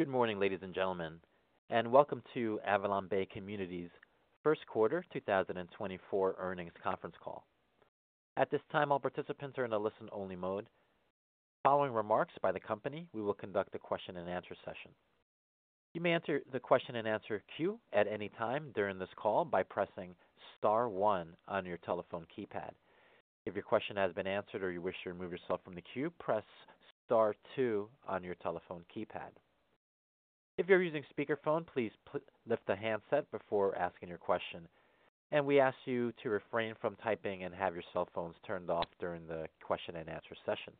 Good morning, ladies and gentlemen, and welcome to AvalonBay Communities' Q1 2024 Earnings Conference Call. At this time, all participants are in a listen-only mode. Following remarks by the company, we will conduct a question-and-answer session. You may enter the question-and-answer queue at any time during this call by pressing star one on your telephone keypad. If your question has been answered or you wish to remove yourself from the queue, press star two on your telephone keypad. If you're using speakerphone, please lift the handset before asking your question, and we ask you to refrain from typing and have your cell phones turned off during the question-and-answer session.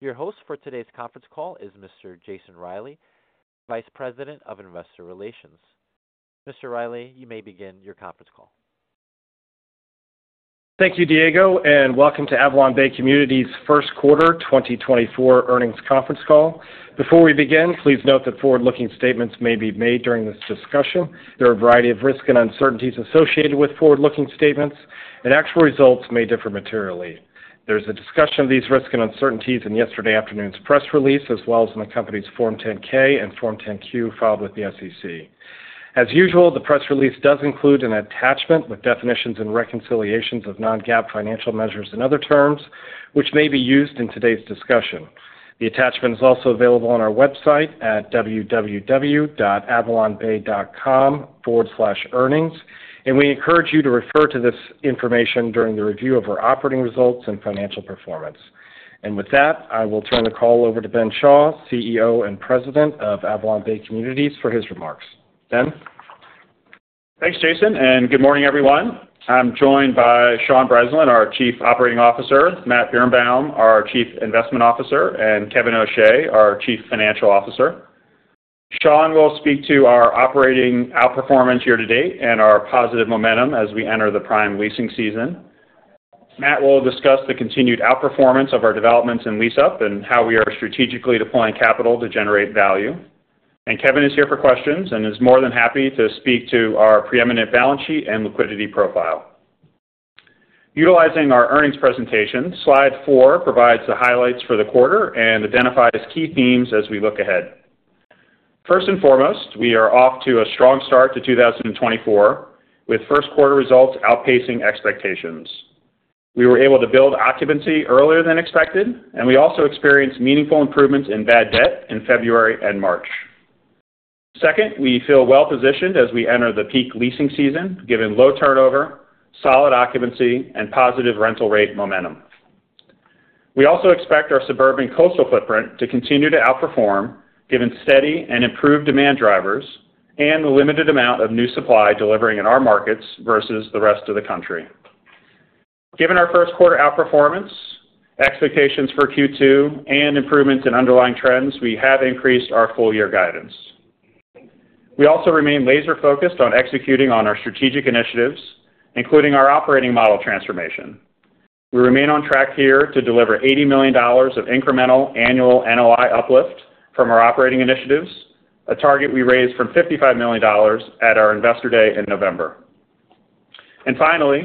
Your host for today's conference call is Mr. Jason Reilley, Vice President of Investor Relations. Mr. Reilley, you may begin your conference call. Thank you, Diego, and welcome to AvalonBay Communities' Q1 2024 earnings conference call. Before we begin, please note that forward-looking statements may be made during this discussion. There are a variety of risks and uncertainties associated with forward-looking statements, and actual results may differ materially. There's a discussion of these risks and uncertainties in yesterday afternoon's press release, as well as in the company's Form 10-K and Form 10-Q filed with the SEC. As usual, the press release does include an attachment with definitions and reconciliations of non-GAAP financial measures and other terms, which may be used in today's discussion. The attachment is also available on our website at www.avalonbay.com/earnings, and we encourage you to refer to this information during the review of our operating results and financial performance. With that, I will turn the call over to Ben Schall, CEO and President of AvalonBay Communities, for his remarks. Ben? Thanks, Jason, and good morning, everyone. I'm joined by Sean Breslin, our Chief Operating Officer, Matt Birenbaum, our Chief Investment Officer, and Kevin O'Shea, our Chief Financial Officer. Sean will speak to our operating outperformance year to date and our positive momentum as we enter the prime leasing season. Matt will discuss the continued outperformance of our developments in lease-up and how we are strategically deploying capital to generate value. And Kevin is here for questions and is more than happy to speak to our preeminent balance sheet and liquidity profile. Utilizing our earnings presentation, slide 4 provides the highlights for the quarter and identifies key themes as we look ahead. First and foremost, we are off to a strong start to 2024, with Q1 results outpacing expectations. We were able to build occupancy earlier than expected, and we also experienced meaningful improvements in bad debt in February and March. Second, we feel well positioned as we enter the peak leasing season, given low turnover, solid occupancy, and positive rental rate momentum. We also expect our suburban coastal footprint to continue to outperform, given steady and improved demand drivers and the limited amount of new supply delivering in our markets versus the rest of the country. Given our Q1 outperformance, expectations for Q2, and improvements in underlying trends, we have increased our full-year guidance. We also remain laser-focused on executing on our strategic initiatives, including our operating model transformation. We remain on track here to deliver $80 million of incremental annual NOI uplift from our operating initiatives, a target we raised from $55 million at our Investor Day in November. Finally,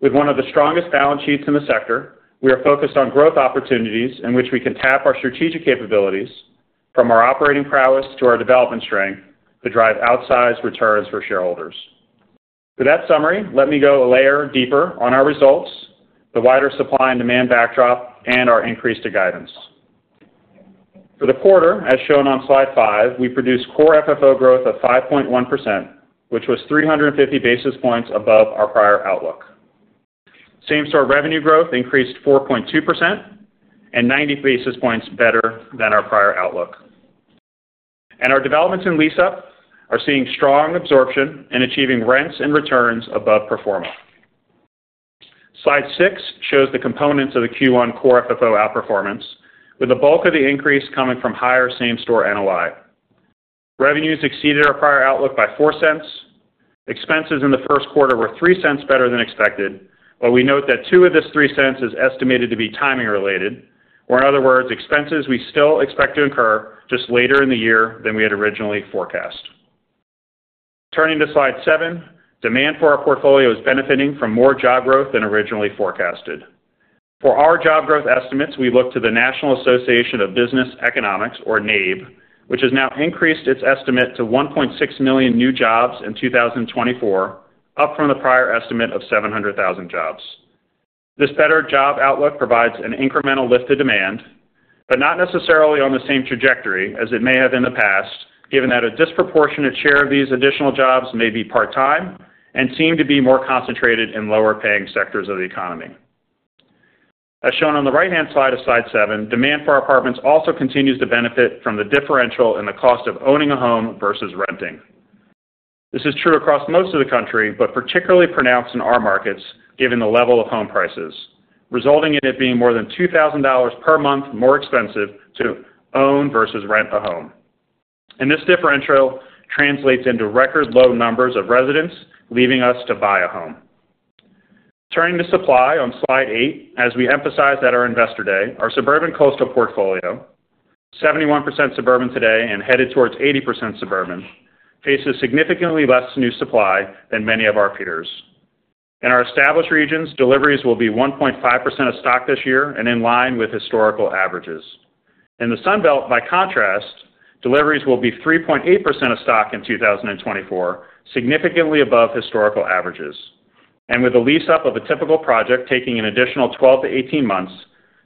with one of the strongest balance sheets in the sector, we are focused on growth opportunities in which we can tap our strategic capabilities, from our operating prowess to our development strength, to drive outsized returns for shareholders. With that summary, let me go a layer deeper on our results, the wider supply and demand backdrop, and our increase to guidance. For the quarter, as shown on slide 5, we produced core FFO growth of 5.1%, which was 350 basis points above our prior outlook. Same-store revenue growth increased 4.2% and 90 basis points better than our prior outlook. Our developments in lease-up are seeing strong absorption and achieving rents and returns above pro forma. Slide 6 shows the components of the Q1 core FFO outperformance, with the bulk of the increase coming from higher same-store NOI. Revenues exceeded our prior outlook by $0.04. Expenses in the Q1 were $0.03 better than expected, but we note that $0.02 of this $0.03 is estimated to be timing related, or in other words, expenses we still expect to incur just later in the year than we had originally forecast. Turning to slide seven, demand for our portfolio is benefiting from more job growth than originally forecasted. For our job growth estimates, we look to the National Association for Business Economics, or NABE, which has now increased its estimate to 1.6 million new jobs in 2024, up from the prior estimate of 700,000 jobs. This better job outlook provides an incremental lift to demand, but not necessarily on the same trajectory as it may have in the past, given that a disproportionate share of these additional jobs may be part-time and seem to be more concentrated in lower-paying sectors of the economy. As shown on the right-hand side of slide 7, demand for our apartments also continues to benefit from the differential in the cost of owning a home versus renting. This is true across most of the country, but particularly pronounced in our markets, given the level of home prices, resulting in it being more than $2,000 per month more expensive to own versus rent a home. This differential translates into record low numbers of residents leaving us to buy a home. Turning to supply on Slide 8, as we emphasized at our Investor Day, our suburban coastal portfolio, 71% suburban today and headed towards 80% suburban, faces significantly less new supply than many of our peers. In our established regions, deliveries will be 1.5% of stock this year and in line with historical averages. In the Sun Belt, by contrast, deliveries will be 3.8% of stock in 2024, significantly above historical averages. And with the lease-up of a typical project taking an additional 12-18 months,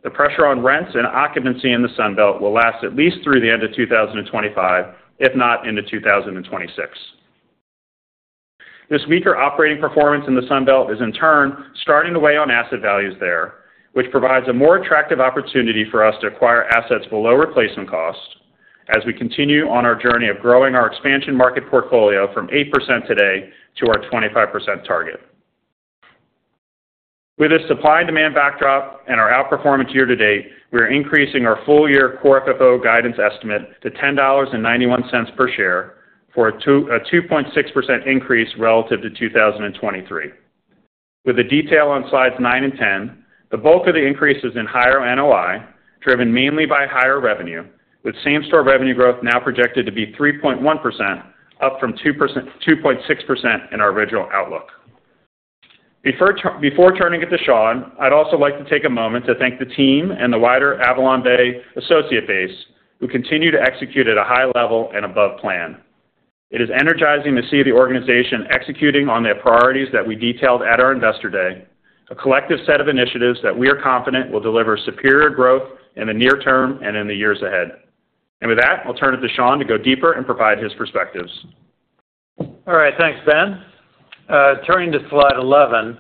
the pressure on rents and occupancy in the Sun Belt will last at least through the end of 2025, if not into 2026. This weaker operating performance in the Sun Belt is in turn starting to weigh on asset values there, which provides a more attractive opportunity for us to acquire assets below replacement cost as we continue on our journey of growing our expansion market portfolio from 8% today to our 25% target. With this supply and demand backdrop and our outperformance year to date, we are increasing our full year Core FFO guidance estimate to $10.91 per share, for a 2.6% increase relative to 2023. With the detail on slides 9 and 10, the bulk of the increase is in higher NOI, driven mainly by higher revenue, with same-store revenue growth now projected to be 3.1%, up from 2.6% in our original outlook. Before turning it to Sean, I'd also like to take a moment to thank the team and the wider AvalonBay associate base, who continue to execute at a high level and above plan. It is energizing to see the organization executing on their priorities that we detailed at our Investor Day, a collective set of initiatives that we are confident will deliver superior growth in the near term and in the years ahead. And with that, I'll turn it to Sean to go deeper and provide his perspectives. All right, thanks, Ben. Turning to slide 11,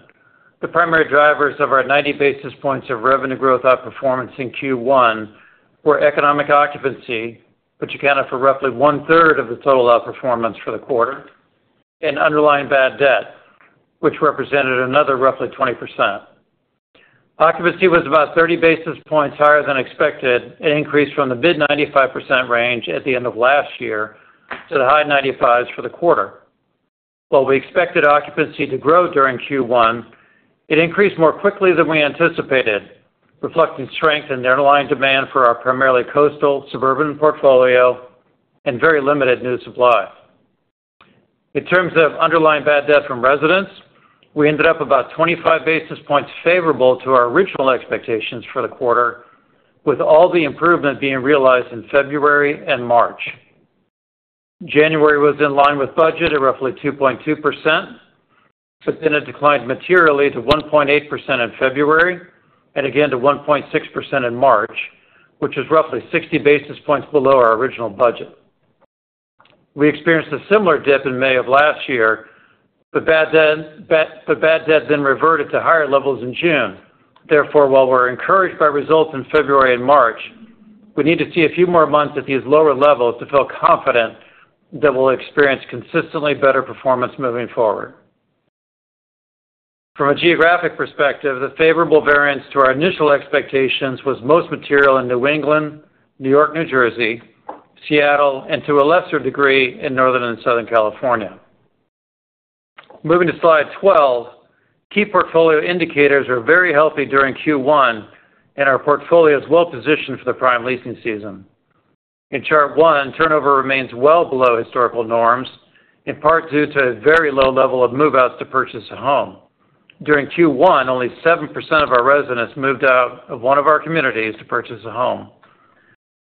the primary drivers of our 90 basis points of revenue growth outperformance in Q1 were economic occupancy, which accounted for roughly one-third of the total outperformance for the quarter, and underlying bad debt, which represented another roughly 20%. Occupancy was about 30 basis points higher than expected, an increase from the mid-95% range at the end of last year to the high 95s for the quarter. While we expected occupancy to grow during Q1, it increased more quickly than we anticipated, reflecting strength in the underlying demand for our primarily coastal suburban portfolio and very limited new supply. In terms of underlying bad debt from residents, we ended up about 25 basis points favorable to our original expectations for the quarter, with all the improvement being realized in February and March. January was in line with budget at roughly 2.2%, but then it declined materially to 1.8% in February, and again to 1.6% in March, which is roughly 60 basis points below our original budget. We experienced a similar dip in May of last year, but bad debt then reverted to higher levels in June. Therefore, while we're encouraged by results in February and March, we need to see a few more months at these lower levels to feel confident that we'll experience consistently better performance moving forward. From a geographic perspective, the favorable variance to our initial expectations was most material in New England, New York, New Jersey, Seattle, and to a lesser degree, in Northern and Southern California. Moving to slide 12, key portfolio indicators are very healthy during Q1, and our portfolio is well positioned for the prime leasing season. In chart one, turnover remains well below historical norms, in part due to a very low level of move-outs to purchase a home. During Q1, only 7% of our residents moved out of one of our communities to purchase a home.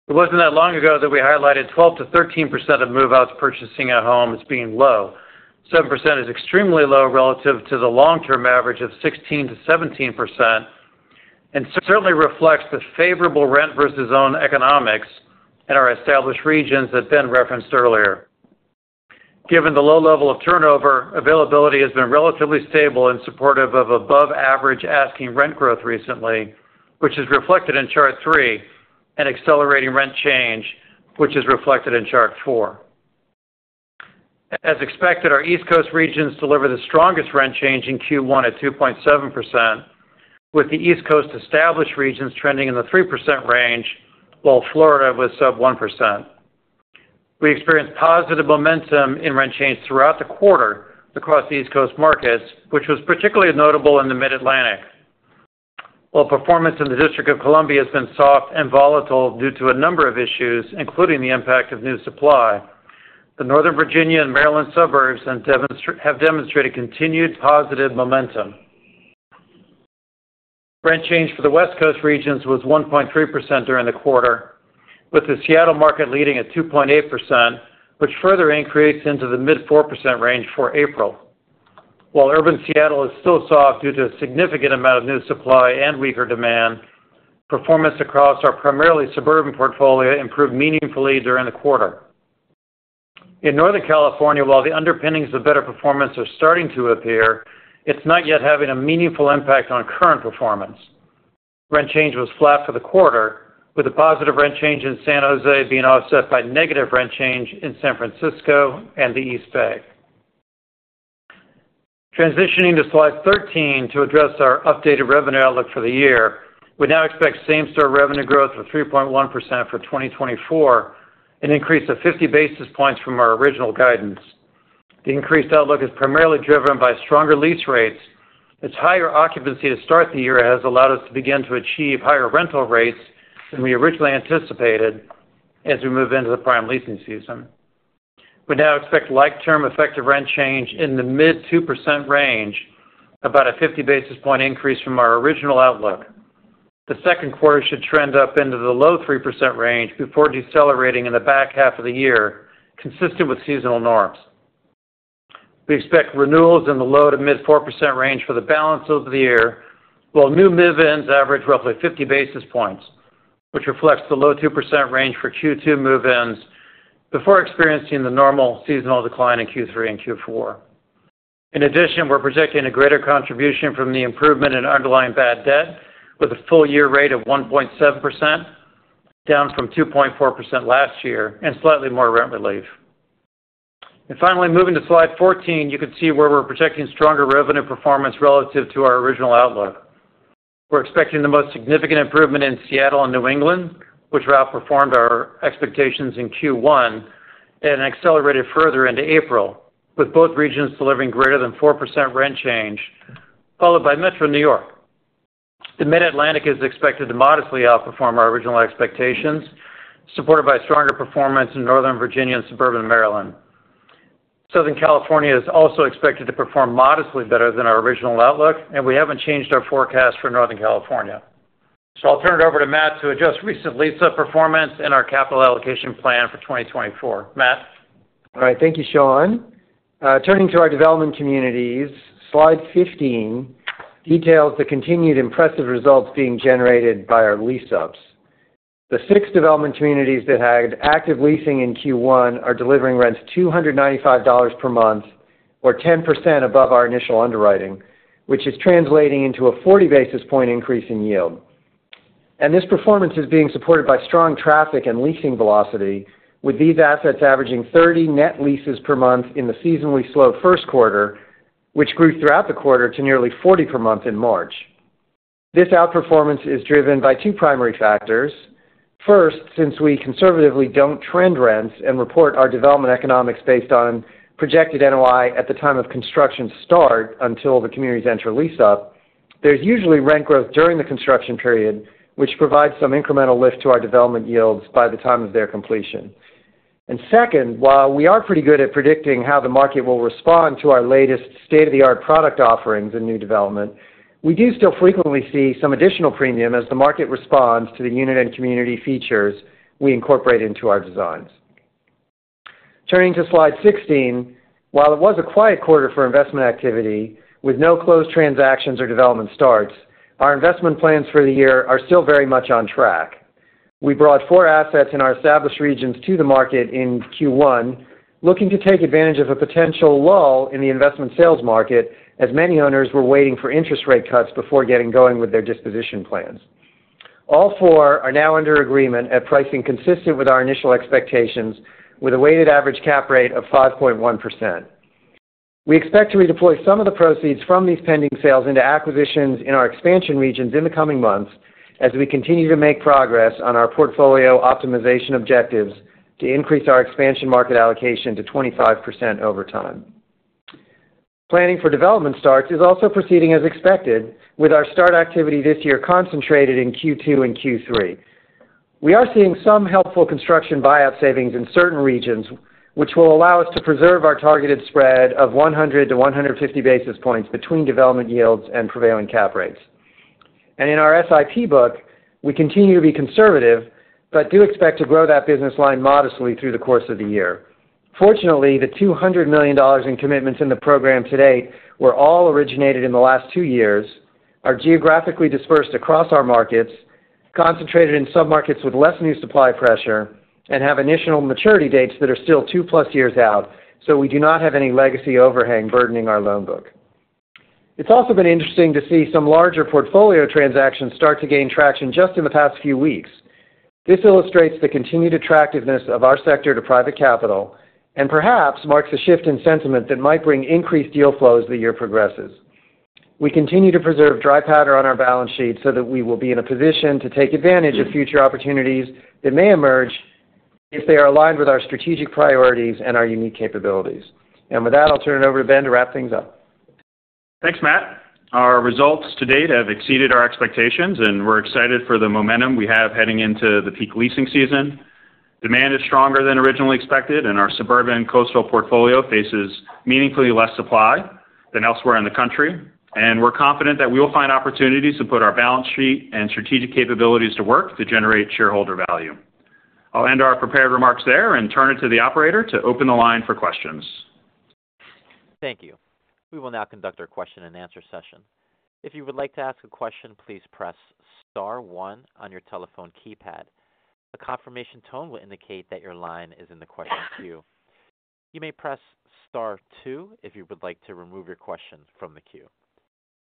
It wasn't that long ago that we highlighted 12%-13% of move-outs purchasing a home as being low. 7% is extremely low relative to the long-term average of 16%-17%, and certainly reflects the favorable rent versus own economics in our established regions that Ben referenced earlier. Given the low level of turnover, availability has been relatively stable and supportive of above average asking rent growth recently, which is reflected in Chart 3, and accelerating rent change, which is reflected in Chart 4. As expected, our East Coast regions deliver the strongest rent change in Q1 at 2.7%, with the East Coast established regions trending in the 3% range, while Florida was sub 1%. We experienced positive momentum in rent change throughout the quarter across the East Coast markets, which was particularly notable in the Mid-Atlantic. While performance in the District of Columbia has been soft and volatile due to a number of issues, including the impact of new supply, the Northern Virginia and Maryland suburbs have demonstrated continued positive momentum. Rent change for the West Coast regions was 1.3% during the quarter, with the Seattle market leading at 2.8%, which further increased into the mid-4% range for April. While urban Seattle is still soft due to a significant amount of new supply and weaker demand, performance across our primarily suburban portfolio improved meaningfully during the quarter. In Northern California, while the underpinnings of better performance are starting to appear, it's not yet having a meaningful impact on current performance. Rent change was flat for the quarter, with a positive rent change in San Jose being offset by negative rent change in San Francisco and the East Bay. Transitioning to slide 13 to address our updated revenue outlook for the year, we now expect same-store revenue growth of 3.1% for 2024, an increase of 50 basis points from our original guidance. The increased outlook is primarily driven by stronger lease rates, as higher occupancy to start the year has allowed us to begin to achieve higher rental rates than we originally anticipated as we move into the prime leasing season.... We now expect like term effective rent change in the mid-2% range, about a 50 basis point increase from our original outlook. The Q2 should trend up into the low-3% range before decelerating in the back half of the year, consistent with seasonal norms. We expect renewals in the low-to-mid 4% range for the balance of the year, while new move-ins average roughly 50 basis points, which reflects the low 2% range for Q2 move-ins before experiencing the normal seasonal decline in Q3 and Q4. In addition, we're projecting a greater contribution from the improvement in underlying bad debt with a full-year rate of 1.7%, down from 2.4% last year, and slightly more rent relief. And finally, moving to slide 14, you can see where we're projecting stronger revenue performance relative to our original outlook. We're expecting the most significant improvement in Seattle and New England, which outperformed our expectations in Q1 and accelerated further into April, with both regions delivering greater than 4% rent change, followed by Metro New York. The Mid-Atlantic is expected to modestly outperform our original expectations, supported by stronger performance in Northern Virginia and suburban Maryland. Southern California is also expected to perform modestly better than our original outlook, and we haven't changed our forecast for Northern California. I'll turn it over to Matt to address recent lease-up performance and our capital allocation plan for 2024. Matt? All right. Thank you, Sean. Turning to our development communities, slide 15 details the continued impressive results being generated by our lease-ups. The six development communities that had active leasing in Q1 are delivering rents $295 per month, or 10% above our initial underwriting, which is translating into a 40 basis points increase in yield. This performance is being supported by strong traffic and leasing velocity, with these assets averaging 30 net leases per month in the seasonally slow Q1, which grew throughout the quarter to nearly 40 per month in March. This outperformance is driven by two primary factors. First, since we conservatively don't trend rents and report our development economics based on projected NOI at the time of construction start until the communities enter lease-up, there's usually rent growth during the construction period, which provides some incremental lift to our development yields by the time of their completion. And second, while we are pretty good at predicting how the market will respond to our latest state-of-the-art product offerings in new development, we do still frequently see some additional premium as the market responds to the unit and community features we incorporate into our designs. Turning to slide 16. While it was a quiet quarter for investment activity, with no closed transactions or development starts, our investment plans for the year are still very much on track. We brought 4 assets in our established regions to the market in Q1, looking to take advantage of a potential lull in the investment sales market, as many owners were waiting for interest rate cuts before getting going with their disposition plans. All 4 are now under agreement at pricing consistent with our initial expectations, with a weighted average cap rate of 5.1%. We expect to redeploy some of the proceeds from these pending sales into acquisitions in our expansion regions in the coming months, as we continue to make progress on our portfolio optimization objectives to increase our expansion market allocation to 25% over time. Planning for development starts is also proceeding as expected, with our start activity this year concentrated in Q2 and Q3. We are seeing some helpful construction buyout savings in certain regions, which will allow us to preserve our targeted spread of 100-150 basis points between development yields and prevailing cap rates. In our SIP book, we continue to be conservative, but do expect to grow that business line modestly through the course of the year. Fortunately, the $200 million in commitments in the program to date were all originated in the last 2 years, are geographically dispersed across our markets, concentrated in submarkets with less new supply pressure, and have initial maturity dates that are still 2+ years out, so we do not have any legacy overhang burdening our loan book. It's also been interesting to see some larger portfolio transactions start to gain traction just in the past few weeks. This illustrates the continued attractiveness of our sector to private capital and perhaps marks a shift in sentiment that might bring increased deal flow as the year progresses. We continue to preserve dry powder on our balance sheet so that we will be in a position to take advantage of future opportunities that may emerge if they are aligned with our strategic priorities and our unique capabilities. With that, I'll turn it over to Ben to wrap things up. Thanks, Matt. Our results to date have exceeded our expectations, and we're excited for the momentum we have heading into the peak leasing season. Demand is stronger than originally expected, and our suburban coastal portfolio faces meaningfully less supply than elsewhere in the country. And we're confident that we will find opportunities to put our balance sheet and strategic capabilities to work to generate shareholder value. I'll end our prepared remarks there and turn it to the operator to open the line for questions. Thank you. We will now conduct our question-and-answer session. If you would like to ask a question, please press star one on your telephone keypad. A confirmation tone will indicate that your line is in the question queue. You may press star two if you would like to remove your question from the queue.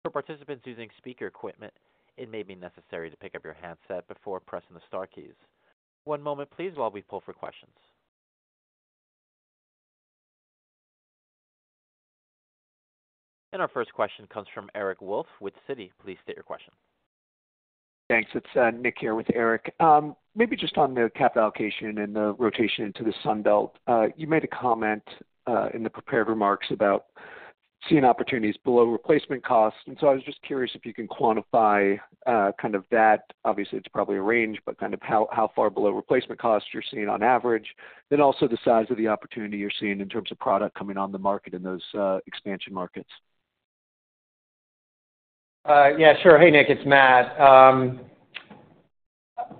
For participants using speaker equipment, it may be necessary to pick up your handset before pressing the star keys. One moment please, while we pull for questions. Our first question comes from Eric Wolfe with Citi. Please state your question. Thanks. It's Nick here with Eric. Maybe just on the cap allocation and the rotation into the Sun Belt. You made a comment in the prepared remarks about seeing opportunities below replacement costs. And so I was just curious if you can quantify kind of that. Obviously, it's probably a range, but kind of how, how far below replacement costs you're seeing on average, then also the size of the opportunity you're seeing in terms of product coming on the market in those expansion markets. Yeah, sure. Hey, Nick, it's Matt.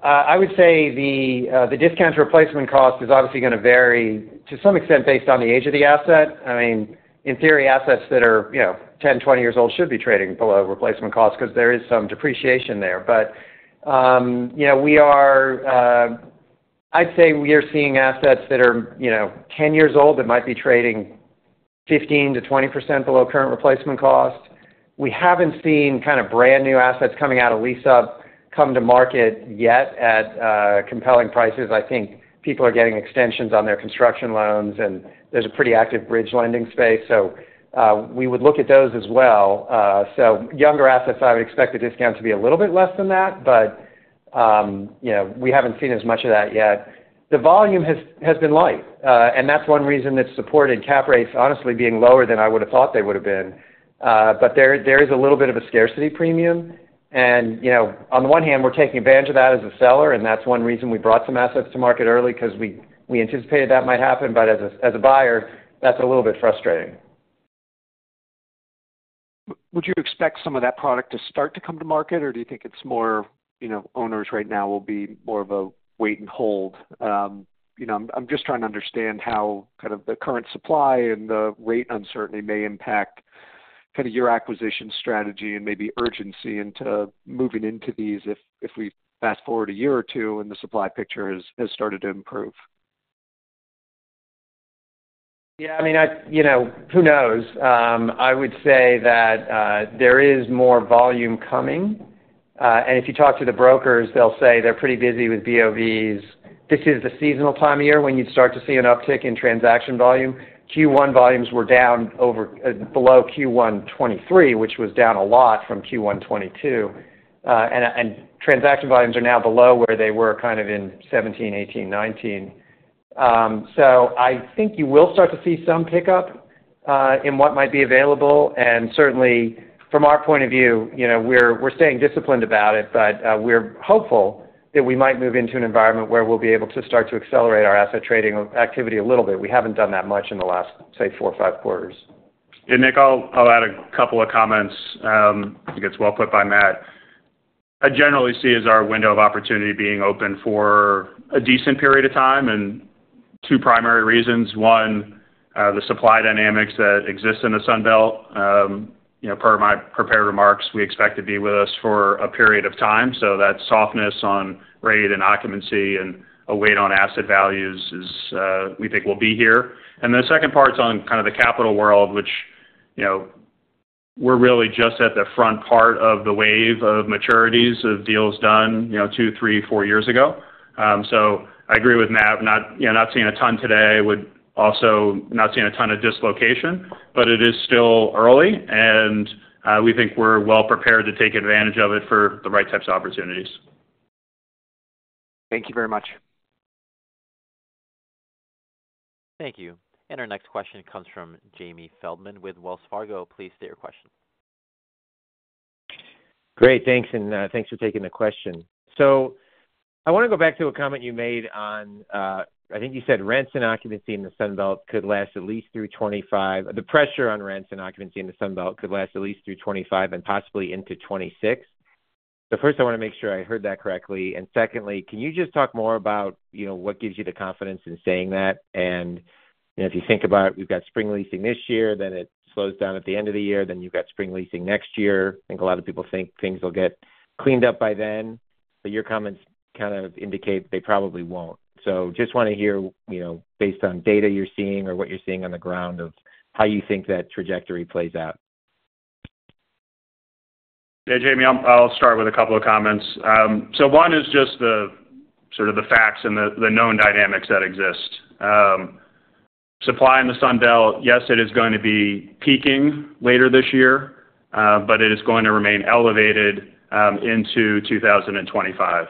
I would say the discount replacement cost is obviously going to vary to some extent based on the age of the asset. I mean, in theory, assets that are, you know, 10, 20 years old should be trading below replacement costs because there is some depreciation there. But, you know, we are—I'd say we are seeing assets that are, you know, 10 years old, that might be trading 15%-20% below current replacement costs. We haven't seen kind of brand new assets coming out of lease-up, come to market yet at compelling prices. I think people are getting extensions on their construction loans, and there's a pretty active bridge lending space, so we would look at those as well. So younger assets, I would expect the discount to be a little bit less than that, but, you know, we haven't seen as much of that yet. The volume has been light, and that's one reason it's supported cap rates, honestly being lower than I would have thought they would have been. But there is a little bit of a scarcity premium. And, you know, on the one hand, we're taking advantage of that as a seller, and that's one reason we brought some assets to market early, because we anticipated that might happen. But as a buyer, that's a little bit frustrating. Would you expect some of that product to start to come to market, or do you think it's more, you know, owners right now will be more of a wait and hold? You know, I'm just trying to understand how kind of the current supply and the rate uncertainty may impact kind of your acquisition strategy and maybe urgency into moving into these if we fast forward a year or two and the supply picture has started to improve. Yeah, I mean, you know, who knows? I would say that there is more volume coming. And if you talk to the brokers, they'll say they're pretty busy with BOVs. This is the seasonal time of year when you'd start to see an uptick in transaction volume. Q1 volumes were down over, below Q1 2023, which was down a lot from Q1 2022. And transaction volumes are now below where they were kind of in 2017, 2018, 2019. So I think you will start to see some pickup in what might be available. And certainly, from our point of view, you know, we're staying disciplined about it, but we're hopeful that we might move into an environment where we'll be able to start to accelerate our asset trading activity a little bit. We haven't done that much in the last, say, 4 or 5 quarters. Yeah, Nick, I'll add a couple of comments. I think it's well put by Matt. I generally see as our window of opportunity being open for a decent period of time, and two primary reasons. One, the supply dynamics that exist in the Sun Belt. You know, per my prepared remarks, we expect to be with us for a period of time, so that softness on rate and occupancy and a weight on asset values is, we think will be here. And then the second part is on kind of the capital world, which, you know, we're really just at the front part of the wave of maturities of deals done, you know, 2, 3, 4 years ago. So I agree with Matt, not, you know, not seeing a ton today, would also not seeing a ton of dislocation, but it is still early, and we think we're well prepared to take advantage of it for the right types of opportunities. Thank you very much. Thank you. And our next question comes from Jamie Feldman with Wells Fargo. Please state your question. Great, thanks, and thanks for taking the question. So I want to go back to a comment you made on, I think you said rents and occupancy in the Sun Belt could last at least through 2025. The pressure on rents and occupancy in the Sun Belt could last at least through 2025 and possibly into 2026. So first, I want to make sure I heard that correctly. And secondly, can you just talk more about, you know, what gives you the confidence in saying that? And, you know, if you think about it, we've got spring leasing this year, then it slows down at the end of the year, then you've got spring leasing next year. I think a lot of people think things will get cleaned up by then, but your comments kind of indicate they probably won't. Just want to hear, you know, based on data you're seeing or what you're seeing on the ground, of how you think that trajectory plays out? Yeah, Jamie, I'll start with a couple of comments. So one is just the sort of the facts and the known dynamics that exist. Supply in the Sun Belt, yes, it is going to be peaking later this year, but it is going to remain elevated into 2025.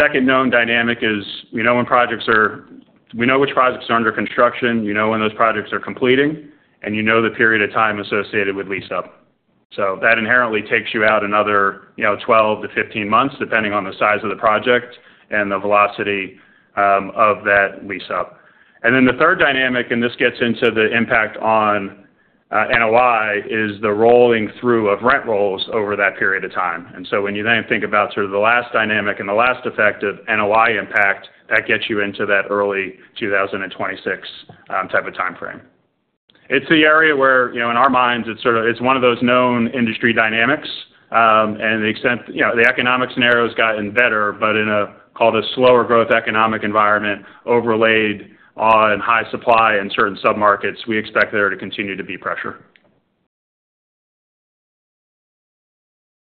Second known dynamic is, we know when projects are... We know which projects are under construction, we know when those projects are completing, and you know the period of time associated with lease-up. So that inherently takes you out another, you know, 12-15 months, depending on the size of the project and the velocity of that lease-up. And then the third dynamic, and this gets into the impact on NOI, is the rolling through of rent rolls over that period of time. So when you then think about sort of the last dynamic and the last effect of NOI impact, that gets you into that early 2026 type of timeframe. It's the area where, you know, in our minds, it's sort of, it's one of those known industry dynamics. And the extent, you know, the economic scenario has gotten better, but in a call it a slower growth economic environment, overlaid on high supply and certain submarkets, we expect there to continue to be pressure.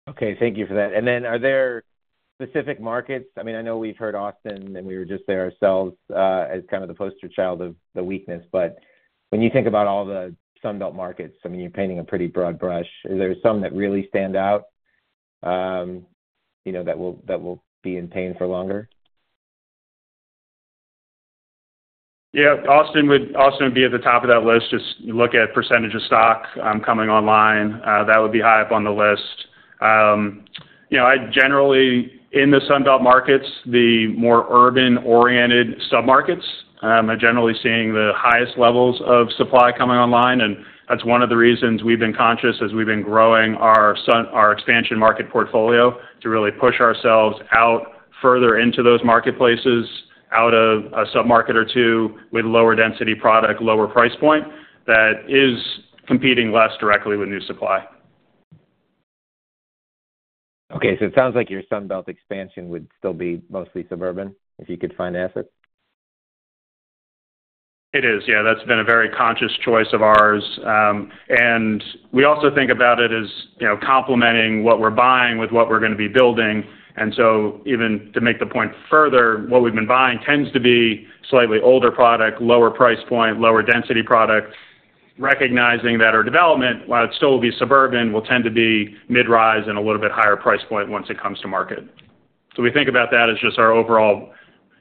Okay, thank you for that. And then, are there specific markets? I mean, I know we've heard Austin, and we were just there ourselves, as kind of the poster child of the weakness. But when you think about all the Sun Belt markets, I mean, you're painting a pretty broad brush. Is there some that really stand out, you know, that will, that will be in pain for longer? ... Yeah, Austin would, Austin would be at the top of that list. Just look at percentage of stock coming online, that would be high up on the list. You know, I generally, in the Sun Belt markets, the more urban-oriented submarkets, are generally seeing the highest levels of supply coming online, and that's one of the reasons we've been conscious as we've been growing our Sun Belt, our expansion market portfolio, to really push ourselves out further into those marketplaces, out of a submarket or two with lower density product, lower price point, that is competing less directly with new supply. Okay, so it sounds like your Sun Belt expansion would still be mostly suburban, if you could find assets? It is. Yeah, that's been a very conscious choice of ours. And we also think about it as, you know, complementing what we're buying with what we're gonna be building. And so even to make the point further, what we've been buying tends to be slightly older product, lower price point, lower density product, recognizing that our development, while it still will be suburban, will tend to be mid-rise and a little bit higher price point once it comes to market. So we think about that as just our overall...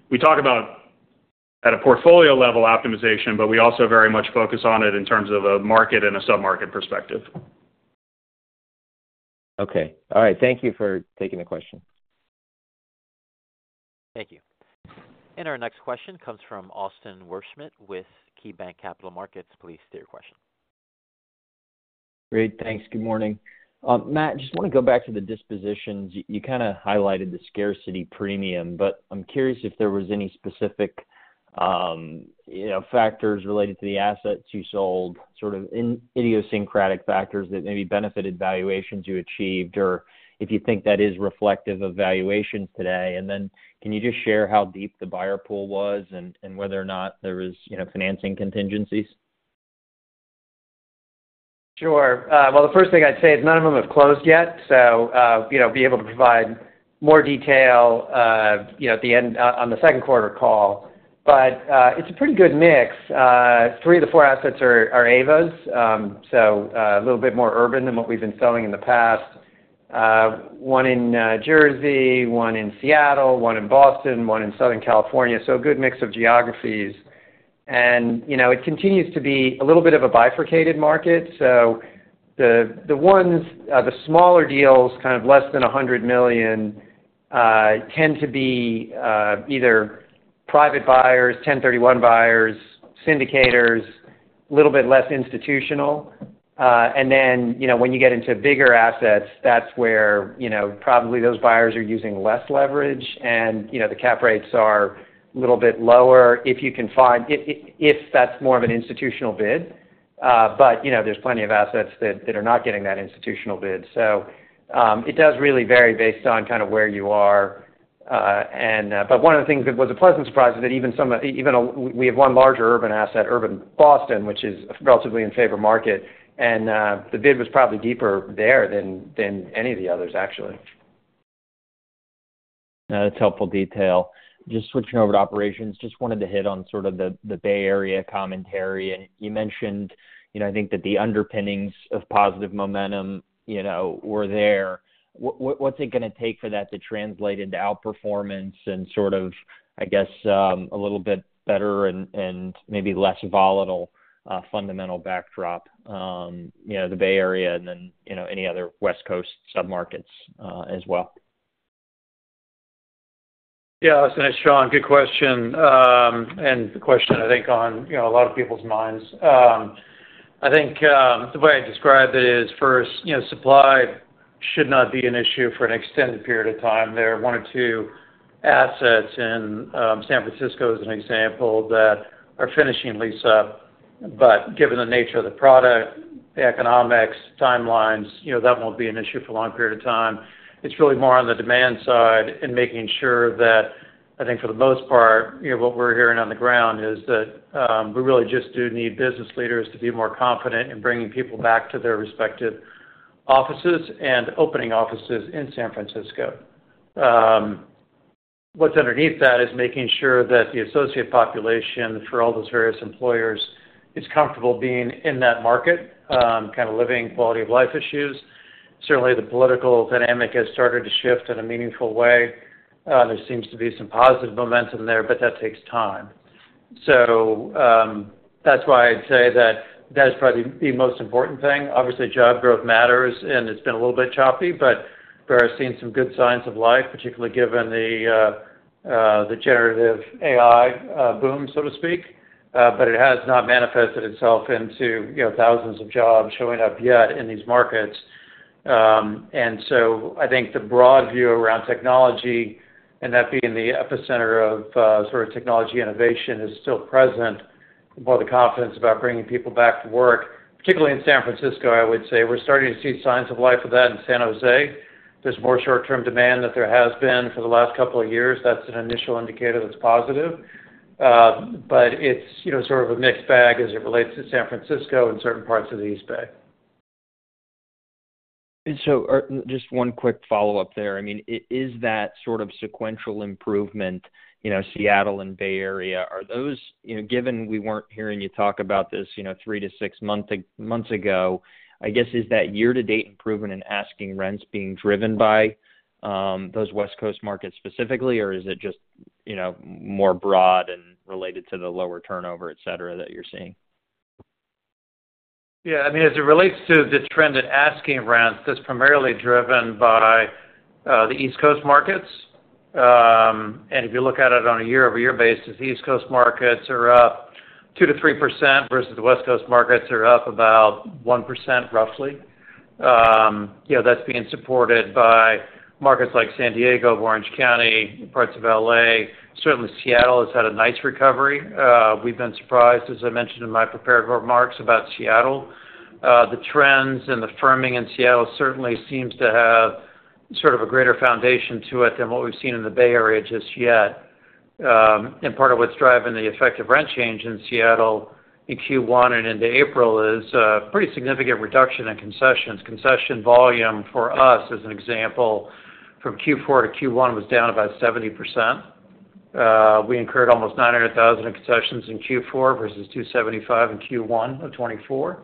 We talk about at a portfolio-level optimization, but we also very much focus on it in terms of a market and a submarket perspective. Okay. All right, thank you for taking the question. Thank you. Our next question comes from Austin Wurschmidt with KeyBanc Capital Markets. Please state your question. Great, thanks. Good morning. Matt, just wanna go back to the dispositions. You kind of highlighted the scarcity premium, but I'm curious if there was any specific, you know, factors related to the assets you sold, sort of idiosyncratic factors that maybe benefited valuations you achieved, or if you think that is reflective of valuations today? And then can you just share how deep the buyer pool was, and whether or not there was, you know, financing contingencies? Sure. Well, the first thing I'd say is none of them have closed yet, so, you know, be able to provide more detail, you know, at the end, on the Q2 call. But, it's a pretty good mix. Three of the four assets are, are AVAs, so, a little bit more urban than what we've been selling in the past. One in Jersey, one in Seattle, one in Boston, one in Southern California, so a good mix of geographies. And, you know, it continues to be a little bit of a bifurcated market. So the, the ones, the smaller deals, kind of less than $100 million, tend to be, either private buyers, 1031 buyers, syndicators, a little bit less institutional. And then, you know, when you get into bigger assets, that's where, you know, probably those buyers are using less leverage, and, you know, the cap rates are a little bit lower if you can find, if that's more of an institutional bid. But, you know, there's plenty of assets that are not getting that institutional bid. So, it does really vary based on kind of where you are. And, but one of the things that was a pleasant surprise is that even some of, even a, we have one larger urban asset, urban Boston, which is relatively in favor market, and, the bid was probably deeper there than any of the others, actually. That's helpful detail. Just switching over to operations, just wanted to hit on sort of the Bay Area commentary. You mentioned, you know, I think that the underpinnings of positive momentum, you know, were there. What's it gonna take for that to translate into outperformance and sort of, I guess, a little bit better and maybe less volatile fundamental backdrop, you know, the Bay Area and then, you know, any other West Coast submarkets, as well? Yeah, Austin, it's Sean. Good question. And the question I think on, you know, a lot of people's minds. I think, the way I'd describe it is, first, you know, supply should not be an issue for an extended period of time. There are one or two assets in San Francisco, as an example, that are finishing lease up. But given the nature of the product, the economics, timelines, you know, that won't be an issue for a long period of time. It's really more on the demand side and making sure that, I think for the most part, you know, what we're hearing on the ground is that, we really just do need business leaders to be more confident in bringing people back to their respective offices and opening offices in San Francisco. What's underneath that is making sure that the associate population for all those various employers is comfortable being in that market, kind of living quality of life issues. Certainly, the political dynamic has started to shift in a meaningful way. There seems to be some positive momentum there, but that takes time. So, that's why I'd say that is probably the most important thing. Obviously, job growth matters, and it's been a little bit choppy, but we are seeing some good signs of life, particularly given the generative AI boom, so to speak. But it has not manifested itself into, you know, thousands of jobs showing up yet in these markets. And so I think the broad view around technology, and that being the epicenter of sort of technology innovation, is still present by the confidence about bringing people back to work, particularly in San Francisco, I would say. We're starting to see signs of life of that in San Jose. There's more short-term demand than there has been for the last couple of years. That's an initial indicator that's positive. But it's, you know, sort of a mixed bag as it relates to San Francisco and certain parts of the East Bay. Just one quick follow-up there. I mean, is that sort of sequential improvement, you know, Seattle and Bay Area, are those, you know, given we weren't hearing you talk about this, you know, 3-6 months ago, I guess, is that year-to-date improvement in asking rents being driven by, those West Coast markets specifically, or is it just, you know, more broad and related to the lower turnover, et cetera, that you're seeing? Yeah, I mean, as it relates to the trend in asking rents, that's primarily driven by the East Coast markets. If you look at it on a year-over-year basis, the East Coast markets are up 2%-3% versus the West Coast markets are up about 1%, roughly. You know, that's being supported by markets like San Diego, Orange County, parts of L.A. Certainly, Seattle has had a nice recovery. We've been surprised, as I mentioned in my prepared remarks about Seattle. The trends and the firming in Seattle certainly seems to have sort of a greater foundation to it than what we've seen in the Bay Area just yet. Part of what's driving the effective rent change in Seattle in Q1 and into April is a pretty significant reduction in concessions. Concession volume for us, as an example, from Q4 to Q1, was down about 70%. We incurred almost $900,000 in concessions in Q4 versus $275,000 in Q1 of 2024,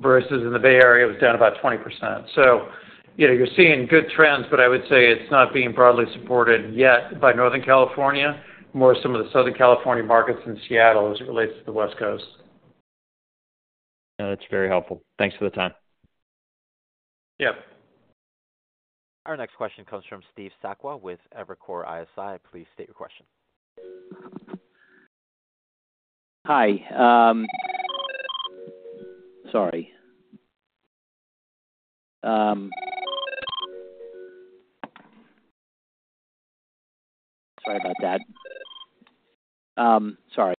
versus in the Bay Area, it was down about 20%. So, you know, you're seeing good trends, but I would say it's not being broadly supported yet by Northern California, more some of the Southern California markets in Seattle as it relates to the West Coast. No, that's very helpful. Thanks for the time. Yep. Our next question comes from Steve Sakwa with Evercore ISI. Please state your question. Hi, sorry. Sorry about that. Sorry.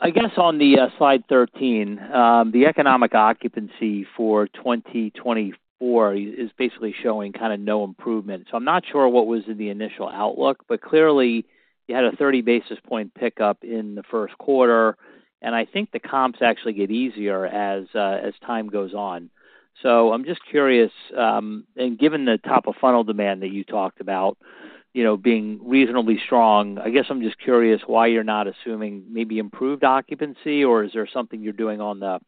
I guess on the slide 13, the economic occupancy for 2024 is basically showing kinda no improvement. So I'm not sure what was in the initial outlook, but clearly, you had a 30 basis point pickup in the Q1, and I think the comps actually get easier as time goes on. So I'm just curious, and given the top-of-funnel demand that you talked about, you know, being reasonably strong, I guess I'm just curious why you're not assuming maybe improved occupancy, or is there something you're doing on the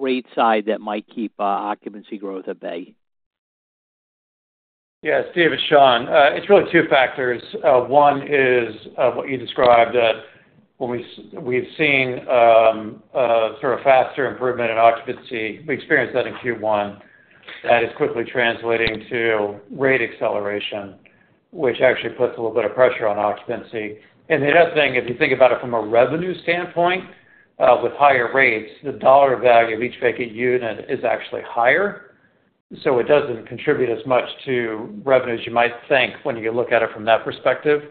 rate side that might keep occupancy growth at bay? Yes, Steve, it's Sean. It's really two factors. One is what you described, that when we've seen sort of faster improvement in occupancy, we experienced that in Q1. That is quickly translating to rate acceleration, which actually puts a little bit of pressure on occupancy. And the other thing, if you think about it from a revenue standpoint, with higher rates, the dollar value of each vacant unit is actually higher, so it doesn't contribute as much to revenues you might think when you look at it from that perspective.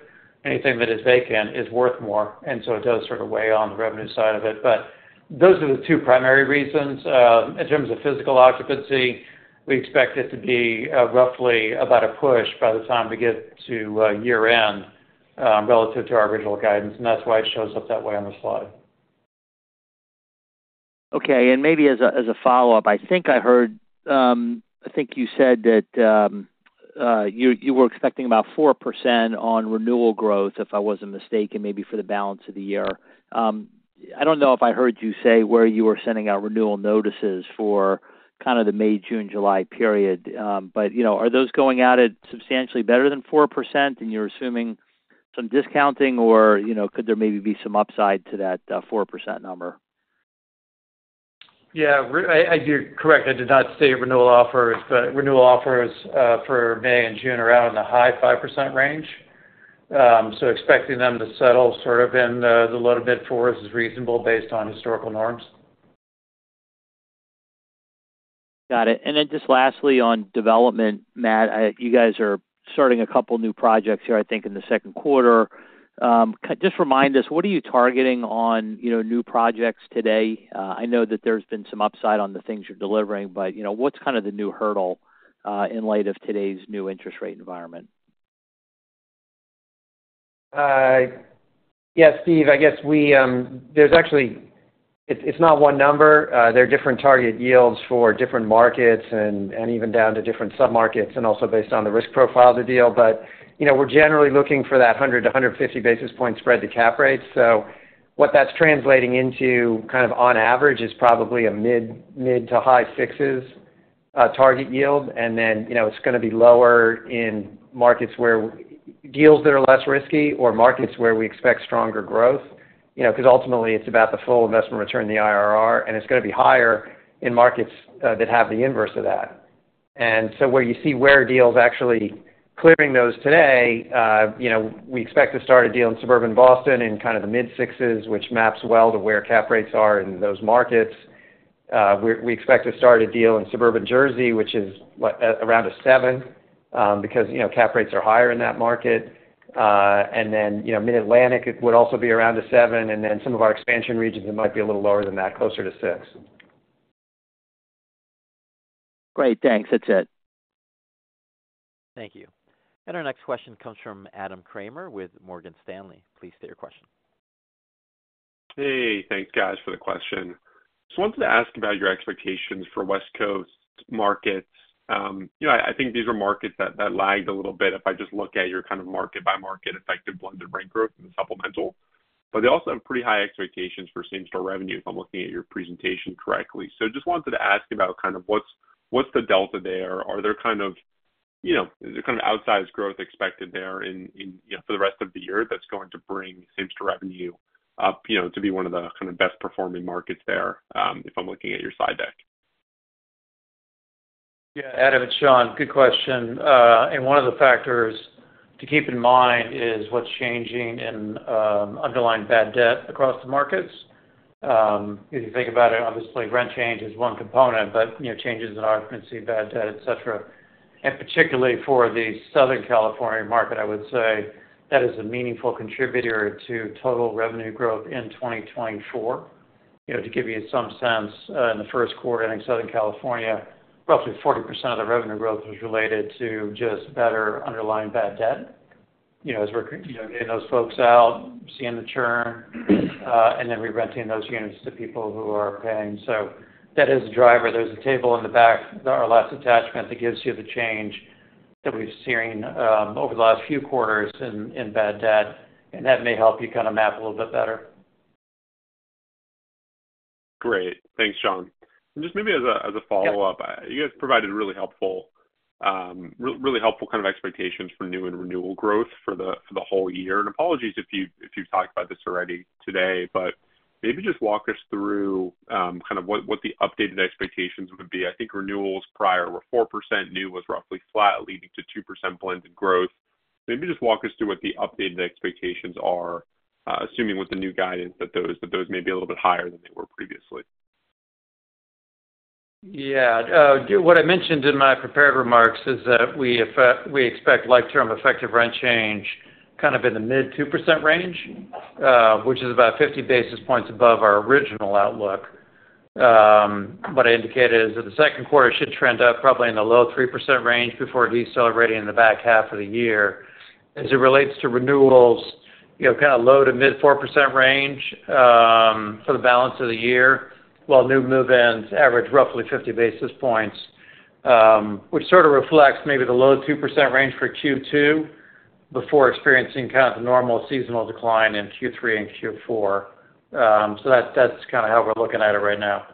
Anything that is vacant is worth more, and so it does sort of weigh on the revenue side of it. But those are the two primary reasons. In terms of physical occupancy, we expect it to be, roughly about a push by the time we get to, year-end, relative to our original guidance, and that's why it shows up that way on the slide. Okay, and maybe as a follow-up, I think I heard. I think you said that you were expecting about 4% on renewal growth, if I wasn't mistaken, maybe for the balance of the year. I don't know if I heard you say where you were sending out renewal notices for kind of the May, June, July period, but you know, are those going out at substantially better than 4%, and you're assuming some discounting, or you know, could there maybe be some upside to that 4% number? Yeah, you're correct. I did not state renewal offers, but renewal offers for May and June are out in the high 5% range. So expecting them to settle sort of in the low 5% for us is reasonable based on historical norms. Got it. And then just lastly, on development, Matt, I-- you guys are starting a couple new projects here, I think, in the Q2. Just remind us, what are you targeting on, you know, new projects today? I know that there's been some upside on the things you're delivering, but, you know, what's kind of the new hurdle, in light of today's new interest rate environment? Yeah, Steve, I guess we-- there's actually. It, it's not one number. There are different target yields for different markets and, and even down to different submarkets, and also based on the risk profile of the deal. But, you know, we're generally looking for that 100 to 150 basis point spread to cap rates. So what that's translating into, kind of on average, is probably a mid- to high-sixes target yield. And then, you know, it's gonna be lower in markets where deals that are less risky or markets where we expect stronger growth, you know, because ultimately, it's about the full investment return, the IRR, and it's gonna be higher in markets that have the inverse of that. And so where you see deals actually clearing those today, you know, we expect to start a deal in suburban Boston in kind of the mid-6s, which maps well to where cap rates are in those markets. We expect to start a deal in suburban Jersey, which is around a 7, because, you know, cap rates are higher in that market. And then, you know, Mid-Atlantic, it would also be around a 7, and then some of our expansion regions, it might be a little lower than that, closer to 6. Great. Thanks. That's it. Thank you. Our next question comes from Adam Kramer with Morgan Stanley. Please state your question.... Hey, thanks, guys, for the question. So wanted to ask about your expectations for West Coast markets. You know, I, I think these are markets that, that lagged a little bit if I just look at your kind of market by market effective blended rent growth in the supplemental. But they also have pretty high expectations for same-store revenue, if I'm looking at your presentation correctly. So just wanted to ask about kind of what's, what's the delta there? Are there kind of, you know, is there kind of outsized growth expected there in, in, you know, for the rest of the year that's going to bring same-store revenue up, you know, to be one of the kind of best performing markets there, if I'm looking at your slide deck? Yeah, Adam, it's Sean. Good question. And one of the factors to keep in mind is what's changing in underlying bad debt across the markets. If you think about it, obviously, rent change is one component, but, you know, changes in occupancy, bad debt, et cetera. And particularly for the Southern California market, I would say that is a meaningful contributor to total revenue growth in 2024. You know, to give you some sense, in the Q1, in Southern California, roughly 40% of the revenue growth was related to just better underlying bad debt. You know, as we're, you know, getting those folks out, seeing the churn, and then re-renting those units to people who are paying. So that is a driver. There's a table in the back, our last attachment, that gives you the change that we've seen over the last few quarters in bad debt, and that may help you kind of map a little bit better. Great. Thanks, Sean. And just maybe as a, as a follow-up- Yeah. You guys provided really helpful kind of expectations for new and renewal growth for the whole year. And apologies if you, if you've talked about this already today, but maybe just walk us through kind of what the updated expectations would be. I think renewals prior were 4%, new was roughly flat, leading to 2% blended growth. Maybe just walk us through what the updated expectations are, assuming with the new guidance, that those may be a little bit higher than they were previously. Yeah. What I mentioned in my prepared remarks is that we expect long-term effective rent change kind of in the mid-2% range, which is about 50 basis points above our original outlook. What I indicated is that the Q2 should trend up probably in the low-3% range before decelerating in the back half of the year. As it relates to renewals, you know, kind of low- to mid-4% range for the balance of the year, while new move-ins average roughly 50 basis points, which sort of reflects maybe the low-2% range for Q2, before experiencing kind of the normal seasonal decline in Q3 and Q4. So that's, that's kind of how we're looking at it right now.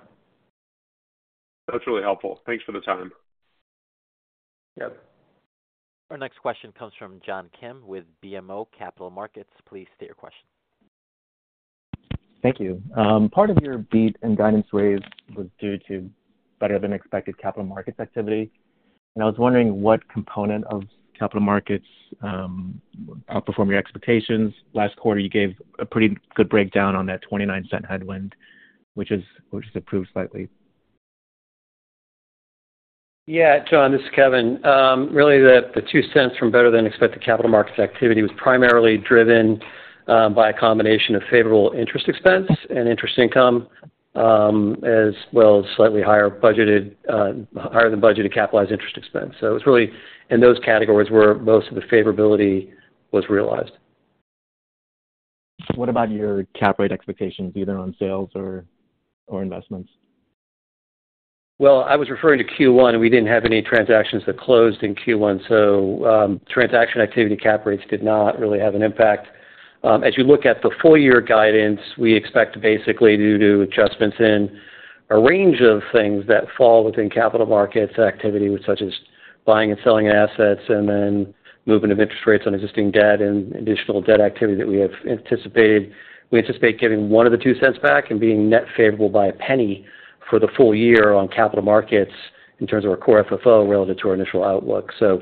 That's really helpful. Thanks for the time. Yep. Our next question comes from John Kim with BMO Capital Markets. Please state your question. Thank you. Part of your beat and guidance wave was due to better-than-expected capital markets activity, and I was wondering what component of capital markets outperformed your expectations. Last quarter, you gave a pretty good breakdown on that $0.29 headwind, which has improved slightly. Yeah, John, this is Kevin. Really, the two cents from better-than-expected capital markets activity was primarily driven by a combination of favorable interest expense and interest income, as well as slightly higher budgeted, higher than budgeted capitalized interest expense. So it was really in those categories where most of the favorability was realized. What about your Cap Rate expectations, either on sales or investments? Well, I was referring to Q1, and we didn't have any transactions that closed in Q1, so transaction activity cap rates did not really have an impact. As you look at the full year guidance, we expect basically due to adjustments in a range of things that fall within capital markets activity, such as buying and selling assets and then movement of interest rates on existing debt and additional debt activity that we have anticipated. We anticipate giving one or two cents back and being net favorable by $0.01 for the full year on capital markets in terms of our Core FFO relative to our initial outlook. So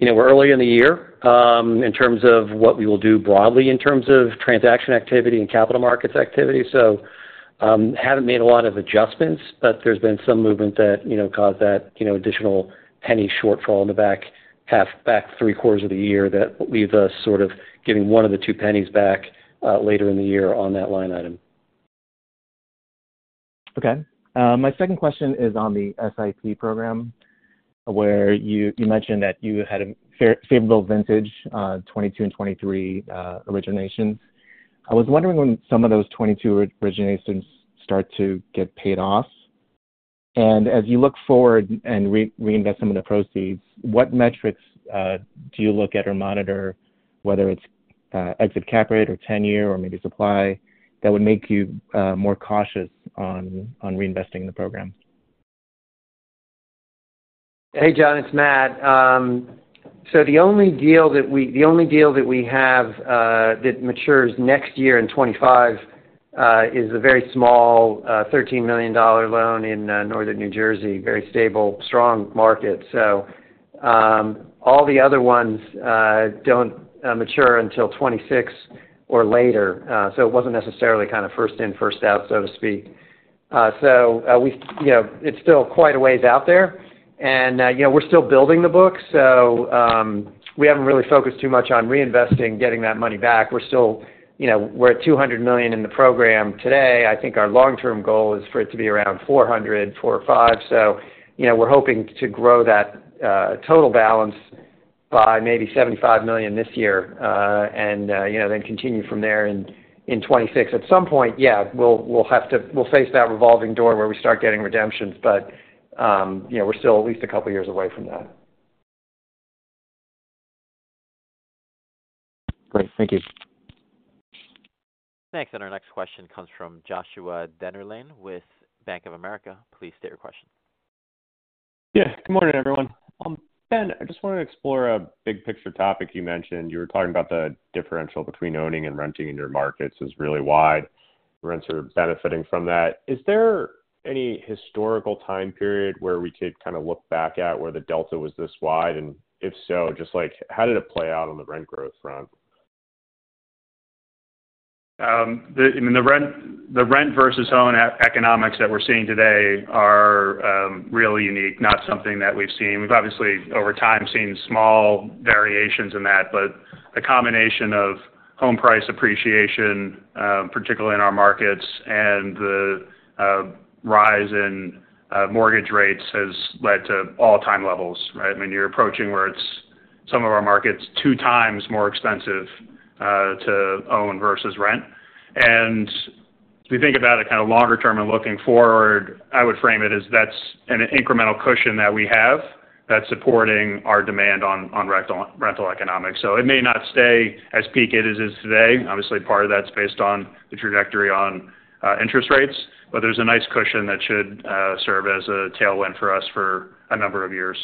you know, we're early in the year, in terms of what we will do broadly in terms of transaction activity and capital markets activity. So, haven't made a lot of adjustments, but there's been some movement that, you know, caused that, you know, additional penny shortfall in the back half, back three quarters of the year that leaves us sort of giving one of the two pennies back, later in the year on that line item. Okay. My second question is on the SIP program, where you mentioned that you had a fairly favorable vintage, 2022 and 2023 originations. I was wondering when some of those 2022 originations start to get paid off. And as you look forward and reinvest some of the proceeds, what metrics do you look at or monitor, whether it's exit cap rate or tenor or maybe supply, that would make you more cautious on reinvesting in the program? Hey, John, it's Matt. So the only deal that we have that matures next year in 2025 is a very small $13 million loan in Northern New Jersey, very stable, strong market. So all the other ones don't mature until 2026 or later. So it wasn't necessarily kind of first in, first out, so to speak. So you know, it's still quite a ways out there, and you know, we're still building the book, so we haven't really focused too much on reinvesting, getting that money back. We're still. You know, we're at $200 million in the program today. I think our long-term goal is for it to be around $400-$500 million. So you know, we're hoping to grow that total balance.... by maybe $75 million this year, and, you know, then continue from there in 2026. At some point, yeah, we'll have to—we'll face that revolving door where we start getting redemptions, but, you know, we're still at least a couple of years away from that. Great. Thank you. Thanks. Our next question comes from Joshua Dennerlein with Bank of America. Please state your question. Yeah. Good morning, everyone. Ben, I just wanted to explore a big picture topic you mentioned. You were talking about the differential between owning and renting in your markets is really wide. Rents are benefiting from that. Is there any historical time period where we could kind of look back at where the delta was this wide? And if so, just like, how did it play out on the rent growth front? I mean, the rent versus own economics that we're seeing today are really unique, not something that we've seen. We've obviously, over time, seen small variations in that, but the combination of home price appreciation, particularly in our markets, and the rise in mortgage rates, has led to all-time levels, right? I mean, you're approaching where it's some of our markets, two times more expensive to own versus rent. And if you think about it, kind of longer term and looking forward, I would frame it as that's an incremental cushion that we have that's supporting our demand on rental economics. So it may not stay as peak as it is today. Obviously, part of that's based on the trajectory on interest rates, but there's a nice cushion that should serve as a tailwind for us for a number of years.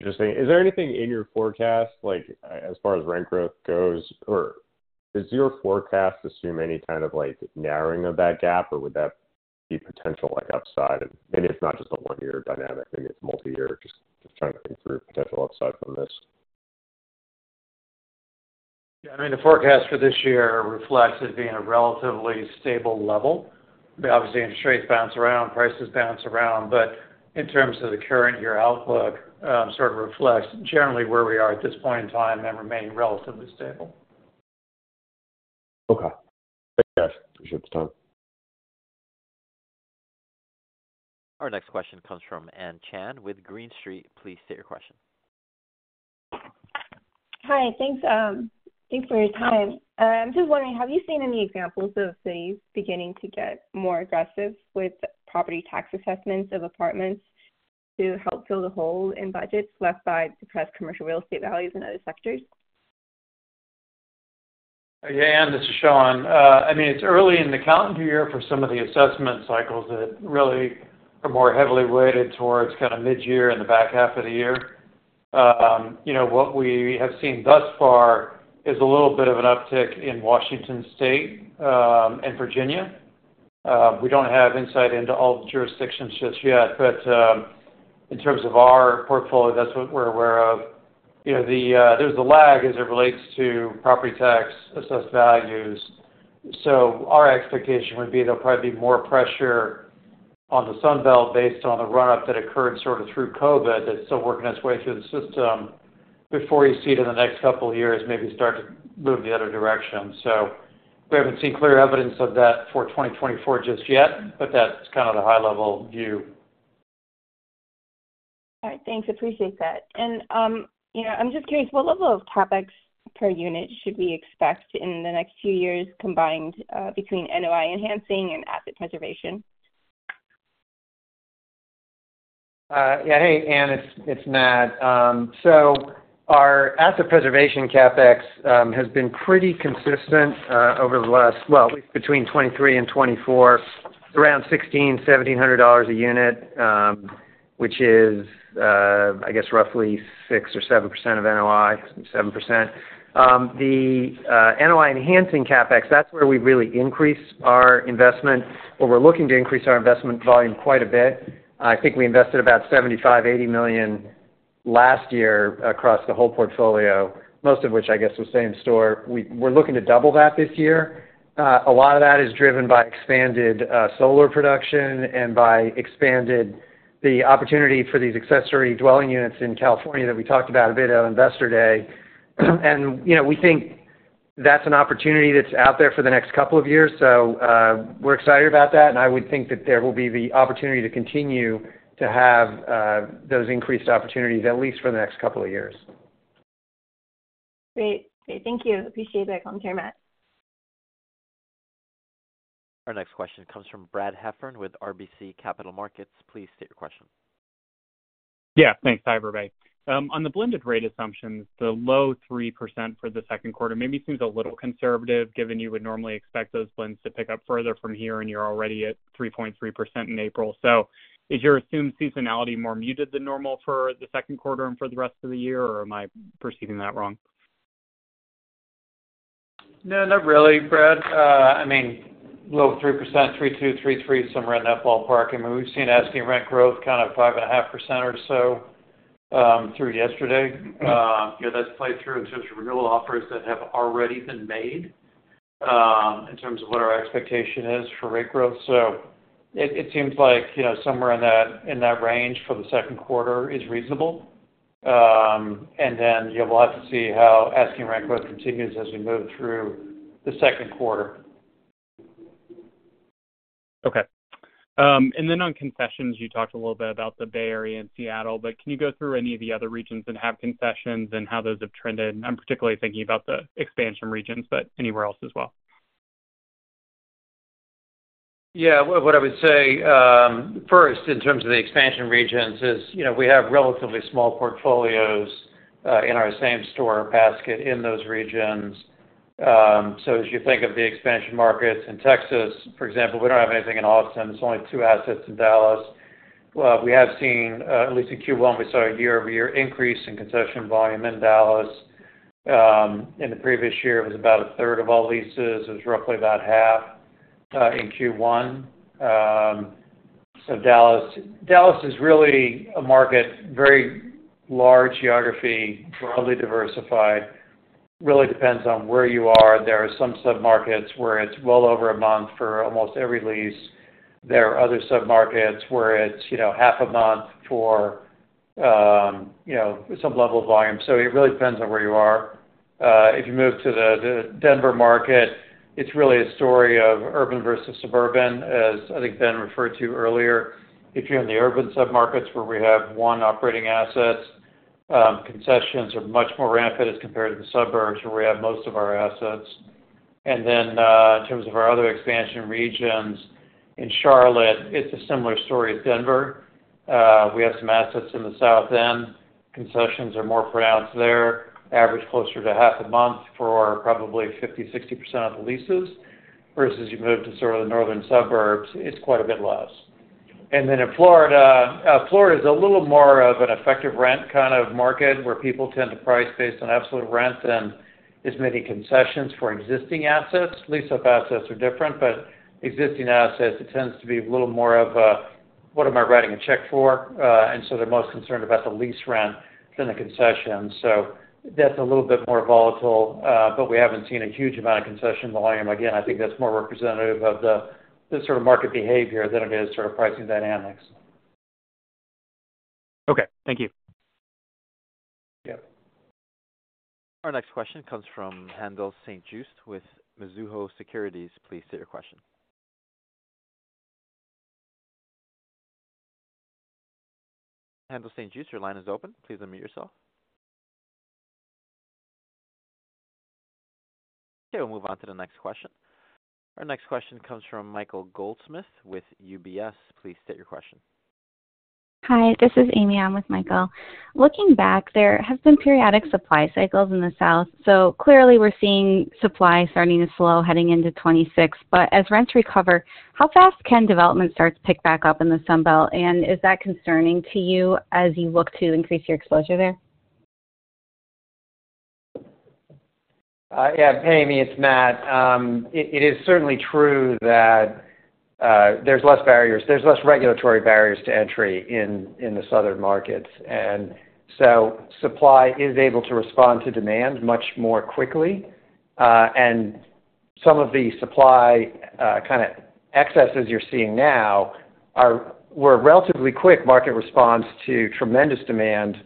Interesting. Is there anything in your forecast, like, as far as rent growth goes? Or does your forecast assume any kind of, like, narrowing of that gap, or would that be potential, like, upside? And maybe it's not just a one-year dynamic, maybe it's multi-year. Just trying to think through potential upside from this. Yeah, I mean, the forecast for this year reflects it being a relatively stable level. But obviously, interest rates bounce around, prices bounce around. But in terms of the current year outlook, sort of reflects generally where we are at this point in time and remain relatively stable. Okay. Thank you, guys. Appreciate the time. Our next question comes from Anne Chan with Green Street. Please state your question. Hi, thanks, thanks for your time. I'm just wondering, have you seen any examples of cities beginning to get more aggressive with property tax assessments of apartments to help fill the hole in budgets left by suppressed commercial real estate values in other sectors? Yeah, Anne, this is Sean. I mean, it's early in the calendar year for some of the assessment cycles that really are more heavily weighted towards kind of midyear and the back half of the year. You know, what we have seen thus far is a little bit of an uptick in Washington State, and Virginia. We don't have insight into all the jurisdictions just yet, but in terms of our portfolio, that's what we're aware of. You know, there's the lag as it relates to property tax, assessed values. So our expectation would be there'll probably be more pressure on the Sun Belt based on the run-up that occurred sort of through COVID, that's still working its way through the system before you see it in the next couple of years, maybe start to move the other direction. So we haven't seen clear evidence of that for 2024 just yet, but that's kind of the high-level view. All right, thanks. Appreciate that. And, you know, I'm just curious, what level of CapEx per unit should we expect in the next few years, combined, between NOI enhancing and asset preservation? Yeah. Hey, Anne, it's Matt. So our asset preservation CapEx has been pretty consistent over the last... well, between 2023 and 2024, around $1,600-$1,700 a unit, which is, I guess roughly 6%-7% of NOI, 7%. The NOI enhancing CapEx, that's where we've really increased our investment, where we're looking to increase our investment volume quite a bit. I think we invested about $75-$80 million last year across the whole portfolio, most of which I guess was same-store. We're looking to double that this year. A lot of that is driven by expanded solar production and by expanded the opportunity for these accessory dwelling units in California that we talked about a bit on Investor Day. You know, we think that's an opportunity that's out there for the next couple of years. We're excited about that, and I would think that there will be the opportunity to continue to have those increased opportunities, at least for the next couple of years. Great. Great, thank you. Appreciate that commentary, Matt. Our next question comes from Brad Heffern with RBC Capital Markets. Please state your question. Yeah, thanks. Hi, everybody. On the blended rate assumptions, the low 3% for the Q2 maybe seems a little conservative, given you would normally expect those blends to pick up further from here, and you're already at 3.3% in April. So is your assumed seasonality more muted than normal for the Q2 and for the rest of the year, or am I perceiving that wrong? No, not really, Brad. I mean, low 3%, 3.2, 3.3, somewhere in that ballpark. I mean, we've seen asking rent growth kind of 5.5% or so through yesterday. You know, that's played through in terms of renewal offers that have already been made in terms of what our expectation is for rent growth. So it seems like, you know, somewhere in that range for the Q2 is reasonable. And then, you know, we'll have to see how asking rent growth continues as we move through the Q2.... Okay. And then on concessions, you talked a little bit about the Bay Area and Seattle, but can you go through any of the other regions that have concessions and how those have trended? I'm particularly thinking about the expansion regions, but anywhere else as well. Yeah, what I would say first, in terms of the expansion regions is, you know, we have relatively small portfolios in our same-store basket in those regions. So as you think of the expansion markets in Texas, for example, we don't have anything in Austin. There's only two assets in Dallas. We have seen at least in Q1, we saw a year-over-year increase in concession volume in Dallas. In the previous year, it was about a third of all leases. It was roughly about half in Q1. So Dallas is really a market, very large geography, broadly diversified, really depends on where you are. There are some submarkets where it's well over a month for almost every lease. There are other submarkets where it's, you know, half a month for, you know, some level of volume. So it really depends on where you are. If you move to the Denver market, it's really a story of urban versus suburban, as I think Ben referred to earlier. If you're in the urban submarkets where we have one operating asset, concessions are much more rampant as compared to the suburbs, where we have most of our assets. And then, in terms of our other expansion regions, in Charlotte, it's a similar story as Denver. We have some assets in the South End. Concessions are more pronounced there, average closer to half a month for probably 50, 60% of the leases, versus you move to sort of the northern suburbs, it's quite a bit less. And then in Florida, Florida is a little more of an effective rent kind of market, where people tend to price based on absolute rent than as many concessions for existing assets. Lease-up assets are different, but existing assets, it tends to be a little more of a, "What am I writing a check for?" And so they're most concerned about the lease rent than the concession. So that's a little bit more volatile, but we haven't seen a huge amount of concession volume. Again, I think that's more representative of the, the sort of market behavior than it is sort of pricing dynamics. Okay, thank you. Yep. Our next question comes from Haendel St. Juste with Mizuho Securities. Please state your question. Haendel St. Juste, your line is open. Please unmute yourself. Okay, we'll move on to the next question. Our next question comes from Michael Goldsmith with UBS. Please state your question. Hi, this is Amy. I'm with Michael. Looking back, there have been periodic supply cycles in the South, so clearly we're seeing supply starting to slow, heading into 2026. But as rents recover, how fast can development starts pick back up in the Sun Belt? And is that concerning to you as you look to increase your exposure there? Yeah, Amy, it's Matt. It is certainly true that, there's less barriers—there's less regulatory barriers to entry in, in the Southern markets. And so supply is able to respond to demand much more quickly. And some of the supply, kind of excesses you're seeing now are—were a relatively quick market response to tremendous demand,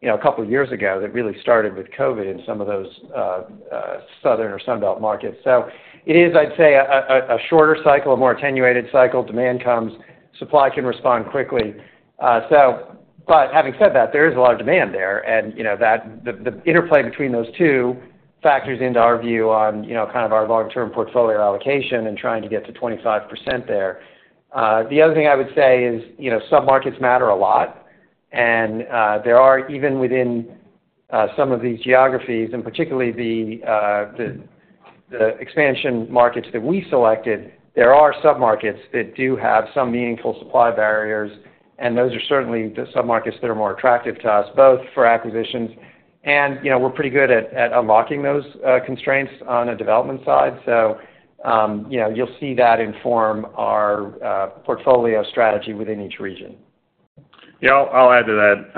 you know, a couple of years ago, that really started with COVID in some of those, southern or Sun Belt markets. So it is, I'd say, a shorter cycle, a more attenuated cycle. Demand comes, supply can respond quickly. So—but having said that, there is a lot of demand there, and, you know, that the interplay between those two factors into our view on, you know, kind of our long-term portfolio allocation and trying to get to 25% there. The other thing I would say is, you know, submarkets matter a lot, and there are, even within some of these geographies, and particularly the expansion markets that we selected, there are submarkets that do have some meaningful supply barriers, and those are certainly the submarkets that are more attractive to us, both for acquisitions, and, you know, we're pretty good at unlocking those constraints on the development side. So, you know, you'll see that inform our portfolio strategy within each region. Yeah, I'll add to that.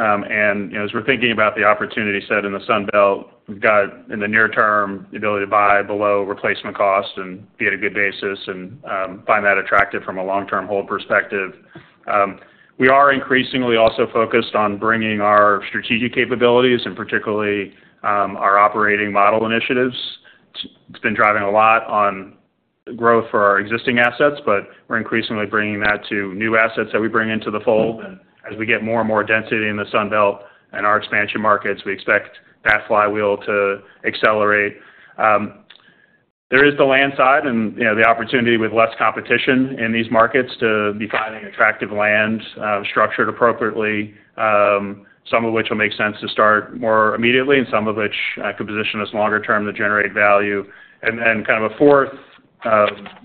You know, as we're thinking about the opportunity set in the Sun Belt, we've got, in the near term, the ability to buy below replacement cost and be at a good basis and find that attractive from a long-term hold perspective. We are increasingly also focused on bringing our strategic capabilities, and particularly, our operating model initiatives. It's been driving a lot on growth for our existing assets, but we're increasingly bringing that to new assets that we bring into the fold. As we get more and more density in the Sun Belt and our expansion markets, we expect that flywheel to accelerate. There is the land side and, you know, the opportunity with less competition in these markets to be finding attractive land, structured appropriately, some of which will make sense to start more immediately and some of which could position us longer term to generate value. And, and kind of a fourth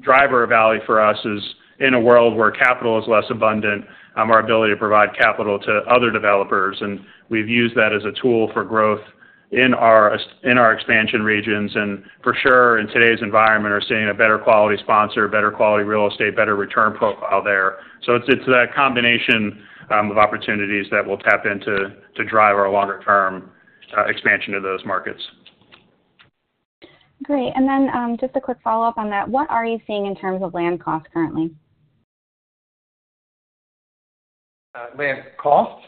driver of value for us is, in a world where capital is less abundant, our ability to provide capital to other developers, and we've used that as a tool for growth in our expansion regions, and for sure, in today's environment, are seeing a better quality sponsor, better quality real estate, better return profile there. So it's, it's that combination of opportunities that we'll tap into to drive our longer-term expansion to those markets. Great. And then, just a quick follow-up on that. What are you seeing in terms of land costs currently? ... land costs?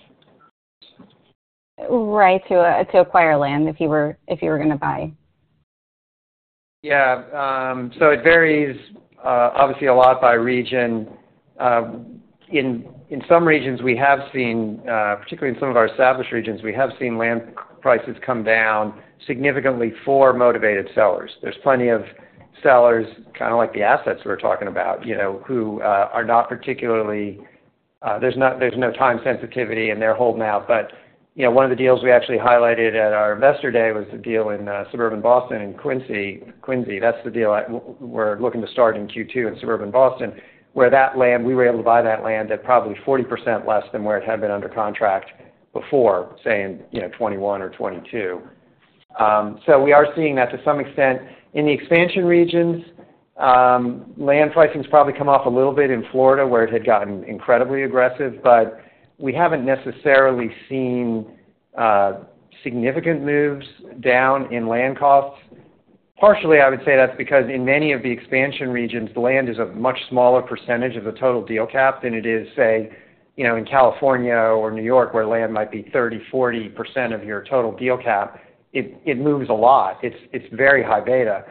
Right, to acquire land, if you were going to buy. Yeah, so it varies obviously a lot by region. In some regions, we have seen, particularly in some of our established regions, we have seen land prices come down significantly for motivated sellers. There's plenty of sellers, kind of like the assets we're talking about, you know, who are not particularly, there's no time sensitivity, and they're holding out. But, you know, one of the deals we actually highlighted at our Investor Day was the deal in suburban Boston, in Quincy. That's the deal we're looking to start in Q2 in suburban Boston, where that land, we were able to buy that land at probably 40% less than where it had been under contract before, saying, you know, 2021 or 2022. So we are seeing that to some extent. In the expansion regions, land pricing's probably come off a little bit in Florida, where it had gotten incredibly aggressive, but we haven't necessarily seen significant moves down in land costs. Partially, I would say that's because in many of the expansion regions, the land is a much smaller percentage of the total deal cap than it is, say, you know, in California or New York, where land might be 30-40% of your total deal cap. It moves a lot. It's very high beta.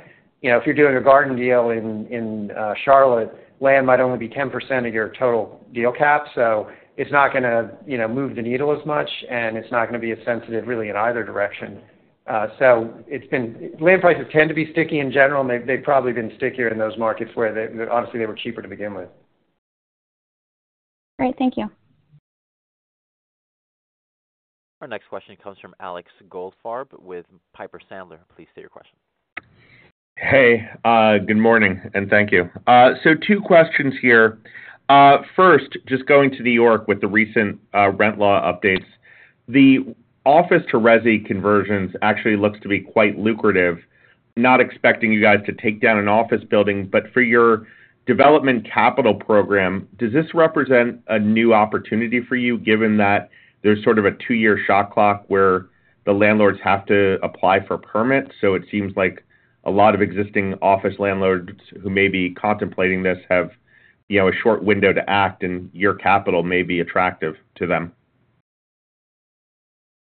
You know, if you're doing a garden deal in Charlotte, land might only be 10% of your total deal cap. So it's not going to, you know, move the needle as much, and it's not going to be as sensitive, really, in either direction. So, land prices tend to be sticky in general, and they've probably been stickier in those markets where they obviously were cheaper to begin with. Great. Thank you. Our next question comes from Alex Goldfarb with Piper Sandler. Please state your question. Hey, good morning, and thank you. So two questions here. First, just going to New York with the recent rent law updates. The office-to-resi conversions actually looks to be quite lucrative. Not expecting you guys to take down an office building, but for your development capital program, does this represent a new opportunity for you, given that there's sort of a two-year shot clock where the landlords have to apply for a permit? So it seems like a lot of existing office landlords who may be contemplating this have, you know, a short window to act, and your capital may be attractive to them.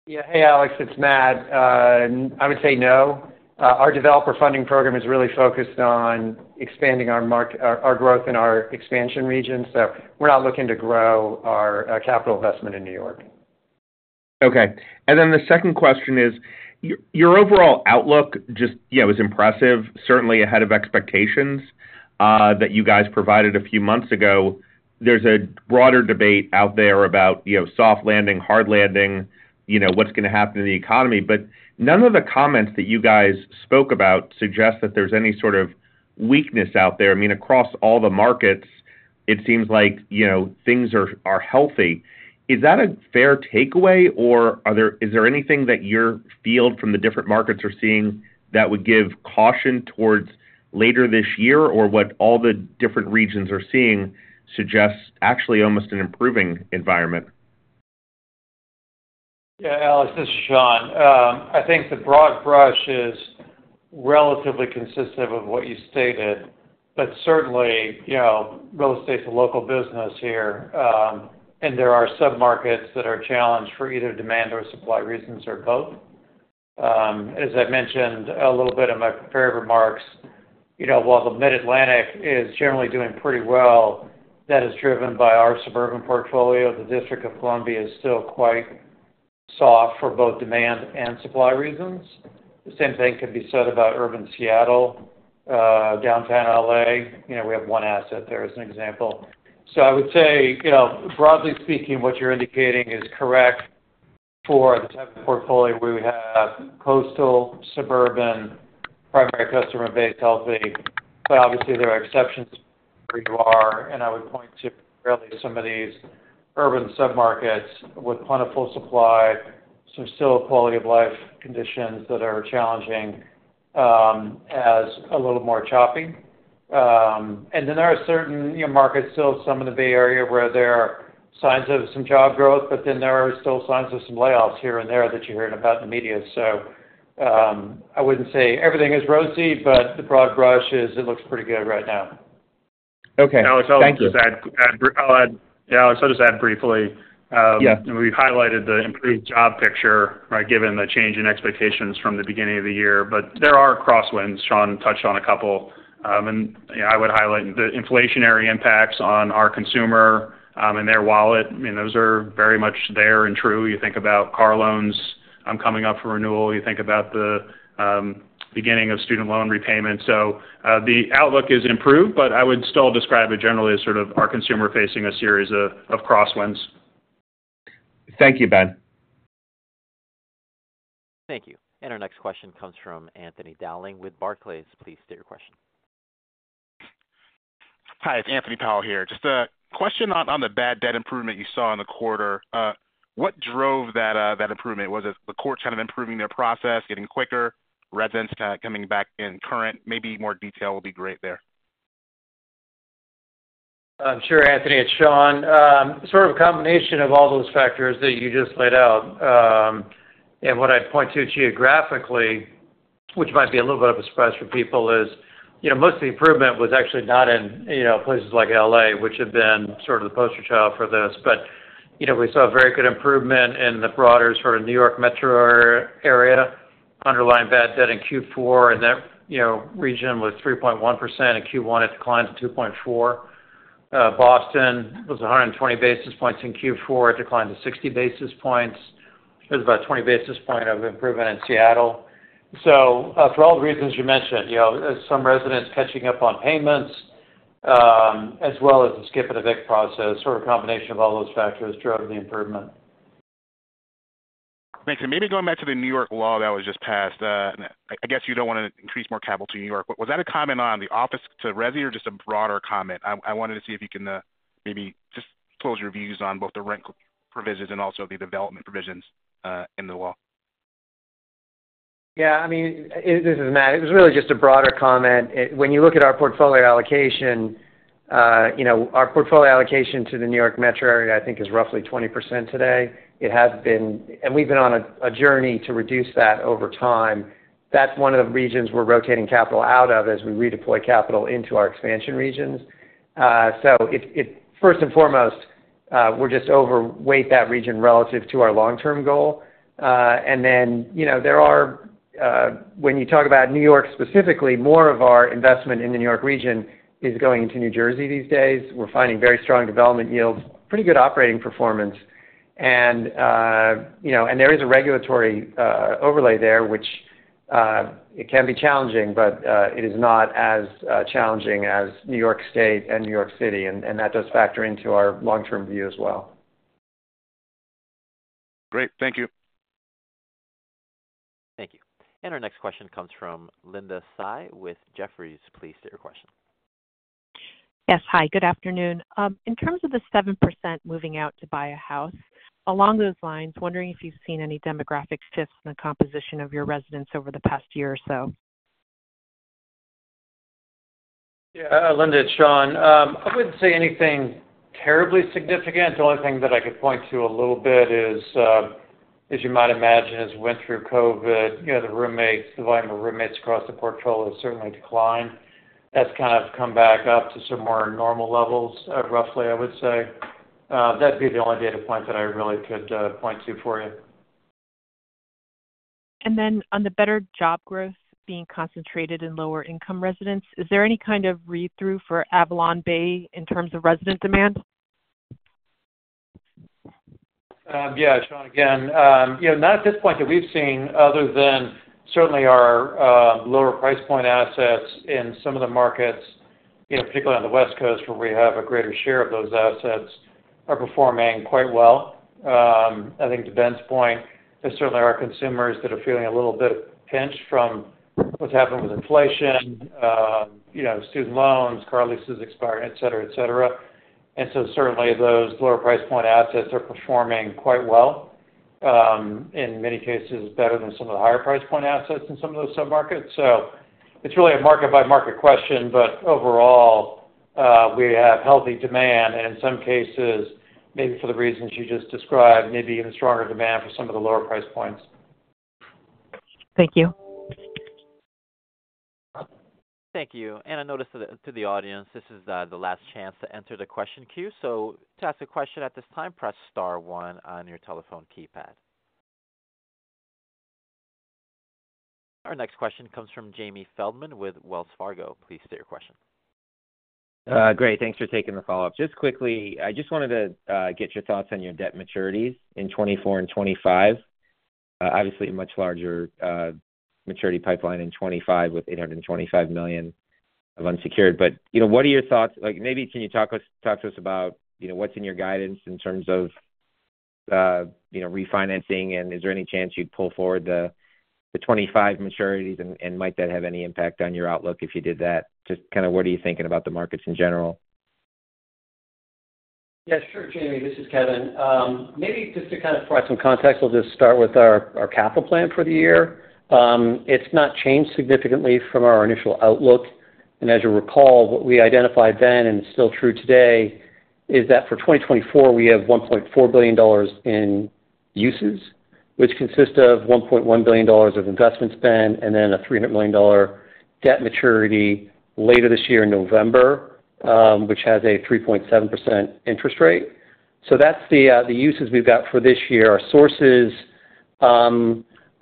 Yeah. Hey, Alex, it's Matt. I would say no. Our developer funding program is really focused on expanding our markets, our growth in our expansion region. So we're not looking to grow our capital investment in New York. Okay. And then the second question is: your overall outlook just, you know, was impressive, certainly ahead of expectations, that you guys provided a few months ago. There's a broader debate out there about, you know, soft landing, hard landing, you know, what's going to happen to the economy. But none of the comments that you guys spoke about suggest that there's any sort of weakness out there. I mean, across all the markets, it seems like, you know, things are, are healthy. Is that a fair takeaway, or is there anything that your field from the different markets are seeing that would give caution towards later this year? Or what all the different regions are seeing suggests actually almost an improving environment. Yeah, Alex, this is Sean. I think the broad brush is relatively consistent of what you stated, but certainly, you know, real estate's a local business here, and there are submarkets that are challenged for either demand or supply reasons or both. As I mentioned a little bit in my prepared remarks, you know, while the Mid-Atlantic is generally doing pretty well, that is driven by our suburban portfolio. The District of Columbia is still quite soft for both demand and supply reasons. The same thing could be said about urban Seattle, downtown L.A. You know, we have one asset there, as an example. So I would say, you know, broadly speaking, what you're indicating is correct for the type of portfolio where we have coastal, suburban, primary customer base healthy. But obviously, there are exceptions where you are, and I would point to really some of these urban submarkets with plentiful supply, some still quality of life conditions that are challenging, as a little more choppy. And then there are certain, you know, markets, still some in the Bay Area, where there are signs of some job growth, but then there are still signs of some layoffs here and there that you're hearing about in the media. So, I wouldn't say everything is rosy, but the broad brush is it looks pretty good right now. Okay. Thank you. Alex, I'll just add. Yeah, Alex, so I'll just add briefly. Yeah. We've highlighted the improved job picture, right, given the change in expectations from the beginning of the year. But there are crosswinds, Sean touched on a couple. And, you know, I would highlight the inflationary impacts on our consumer, and their wallet. I mean, those are very much there and true. You think about car loans, coming up for renewal. You think about the, beginning of student loan repayment. So, the outlook is improved, but I would still describe it generally as sort of our consumer facing a series of, of crosswinds. Thank you, Ben. Thank you. And our next question comes from Anthony Powell with Barclays. Please state your question. Hi, it's Anthony Powell here. Just a question on, on the bad debt improvement you saw in the quarter. What drove that, that improvement? Was it the court kind of improving their process, getting quicker, residents kind of coming back in current? Maybe more detail would be great there. Sure, Anthony, it's Sean. Sort of a combination of all those factors that you just laid out. And what I'd point to geographically which might be a little bit of a surprise for people is, you know, most of the improvement was actually not in, you know, places like L.A., which have been sort of the poster child for this. But, you know, we saw a very good improvement in the broader sort of New York metro area. Underlying bad debt in Q4, and that, you know, region was 3.1%. In Q1, it declined to 2.4%. Boston was 120 basis points in Q4, it declined to 60 basis points. There's about 20 basis points of improvement in Seattle. So, for all the reasons you mentioned, you know, some residents catching up on payments, as well as the skip and evict process, sort of a combination of all those factors drove the improvement. Thanks. Maybe going back to the New York law that was just passed, I guess you don't wanna increase more capital to New York. Was that a comment on the office to resi or just a broader comment? I wanted to see if you can maybe just close your views on both the rent provisions and also the development provisions in the law. Yeah, I mean, this is Matt. It was really just a broader comment. It, when you look at our portfolio allocation, you know, our portfolio allocation to the New York metro area, I think, is roughly 20% today. It has been. We've been on a journey to reduce that over time. That's one of the regions we're rotating capital out of as we redeploy capital into our expansion regions. So it, first and foremost, we're just overweight that region relative to our long-term goal. And then, you know, there are, when you talk about New York, specifically, more of our investment in the New York region is going into New Jersey these days. We're finding very strong development yields, pretty good operating performance. You know, there is a regulatory overlay there, which it can be challenging, but it is not as challenging as New York State and New York City, and that does factor into our long-term view as well. Great. Thank you. Thank you. And our next question comes from Linda Tsai with Jefferies. Please state your question. Yes. Hi, good afternoon. In terms of the 7% moving out to buy a house, along those lines, wondering if you've seen any demographic shifts in the composition of your residents over the past year or so? Yeah, Linda, it's Sean. I wouldn't say anything terribly significant. The only thing that I could point to a little bit is, as you might imagine, as we went through COVID, you know, the roommates, the volume of roommates across the portfolio certainly declined. That's kind of come back up to some more normal levels, roughly, I would say. That'd be the only data point that I really could point to for you. And then on the better job growth being concentrated in lower-income residents, is there any kind of read-through for AvalonBay in terms of resident demand? Yeah, Sean again. You know, not at this point that we've seen, other than certainly our lower price point assets in some of the markets, you know, particularly on the West Coast, where we have a greater share of those assets, are performing quite well. I think to Ben's point, there certainly are consumers that are feeling a little bit pinched from what's happened with inflation, you know, student loans, car leases expiring, et cetera, et cetera. And so certainly those lower price point assets are performing quite well, in many cases, better than some of the higher price point assets in some of those submarkets. So it's really a market-by-market question, but overall, we have healthy demand, and in some cases, maybe for the reasons you just described, maybe even stronger demand for some of the lower price points. Thank you. Thank you. A notice to the audience, this is the last chance to enter the question queue. So to ask a question at this time, press star one on your telephone keypad. Our next question comes from Jamie Feldman with Wells Fargo. Please state your question. Great, thanks for taking the follow-up. Just quickly, I just wanted to get your thoughts on your debt maturities in 2024 and 2025. Obviously, a much larger maturity pipeline in 2025, with $825 million of unsecured. But, you know, what are your thoughts? Like, maybe can you talk us, talk to us about, you know, what's in your guidance in terms of, you know, refinancing, and is there any chance you'd pull forward the, the 2025 maturities? And, and might that have any impact on your outlook if you did that? Just kind of what are you thinking about the markets in general? Yeah, sure, Jamie, this is Kevin. Maybe just to kind of provide some context, I'll just start with our capital plan for the year. It's not changed significantly from our initial outlook. As you'll recall, what we identified then, and it's still true today, is that for 2024, we have $1.4 billion in uses, which consist of $1.1 billion of investment spend, and then a $300 million debt maturity later this year in November, which has a 3.7% interest rate. So that's the uses we've got for this year. Our sources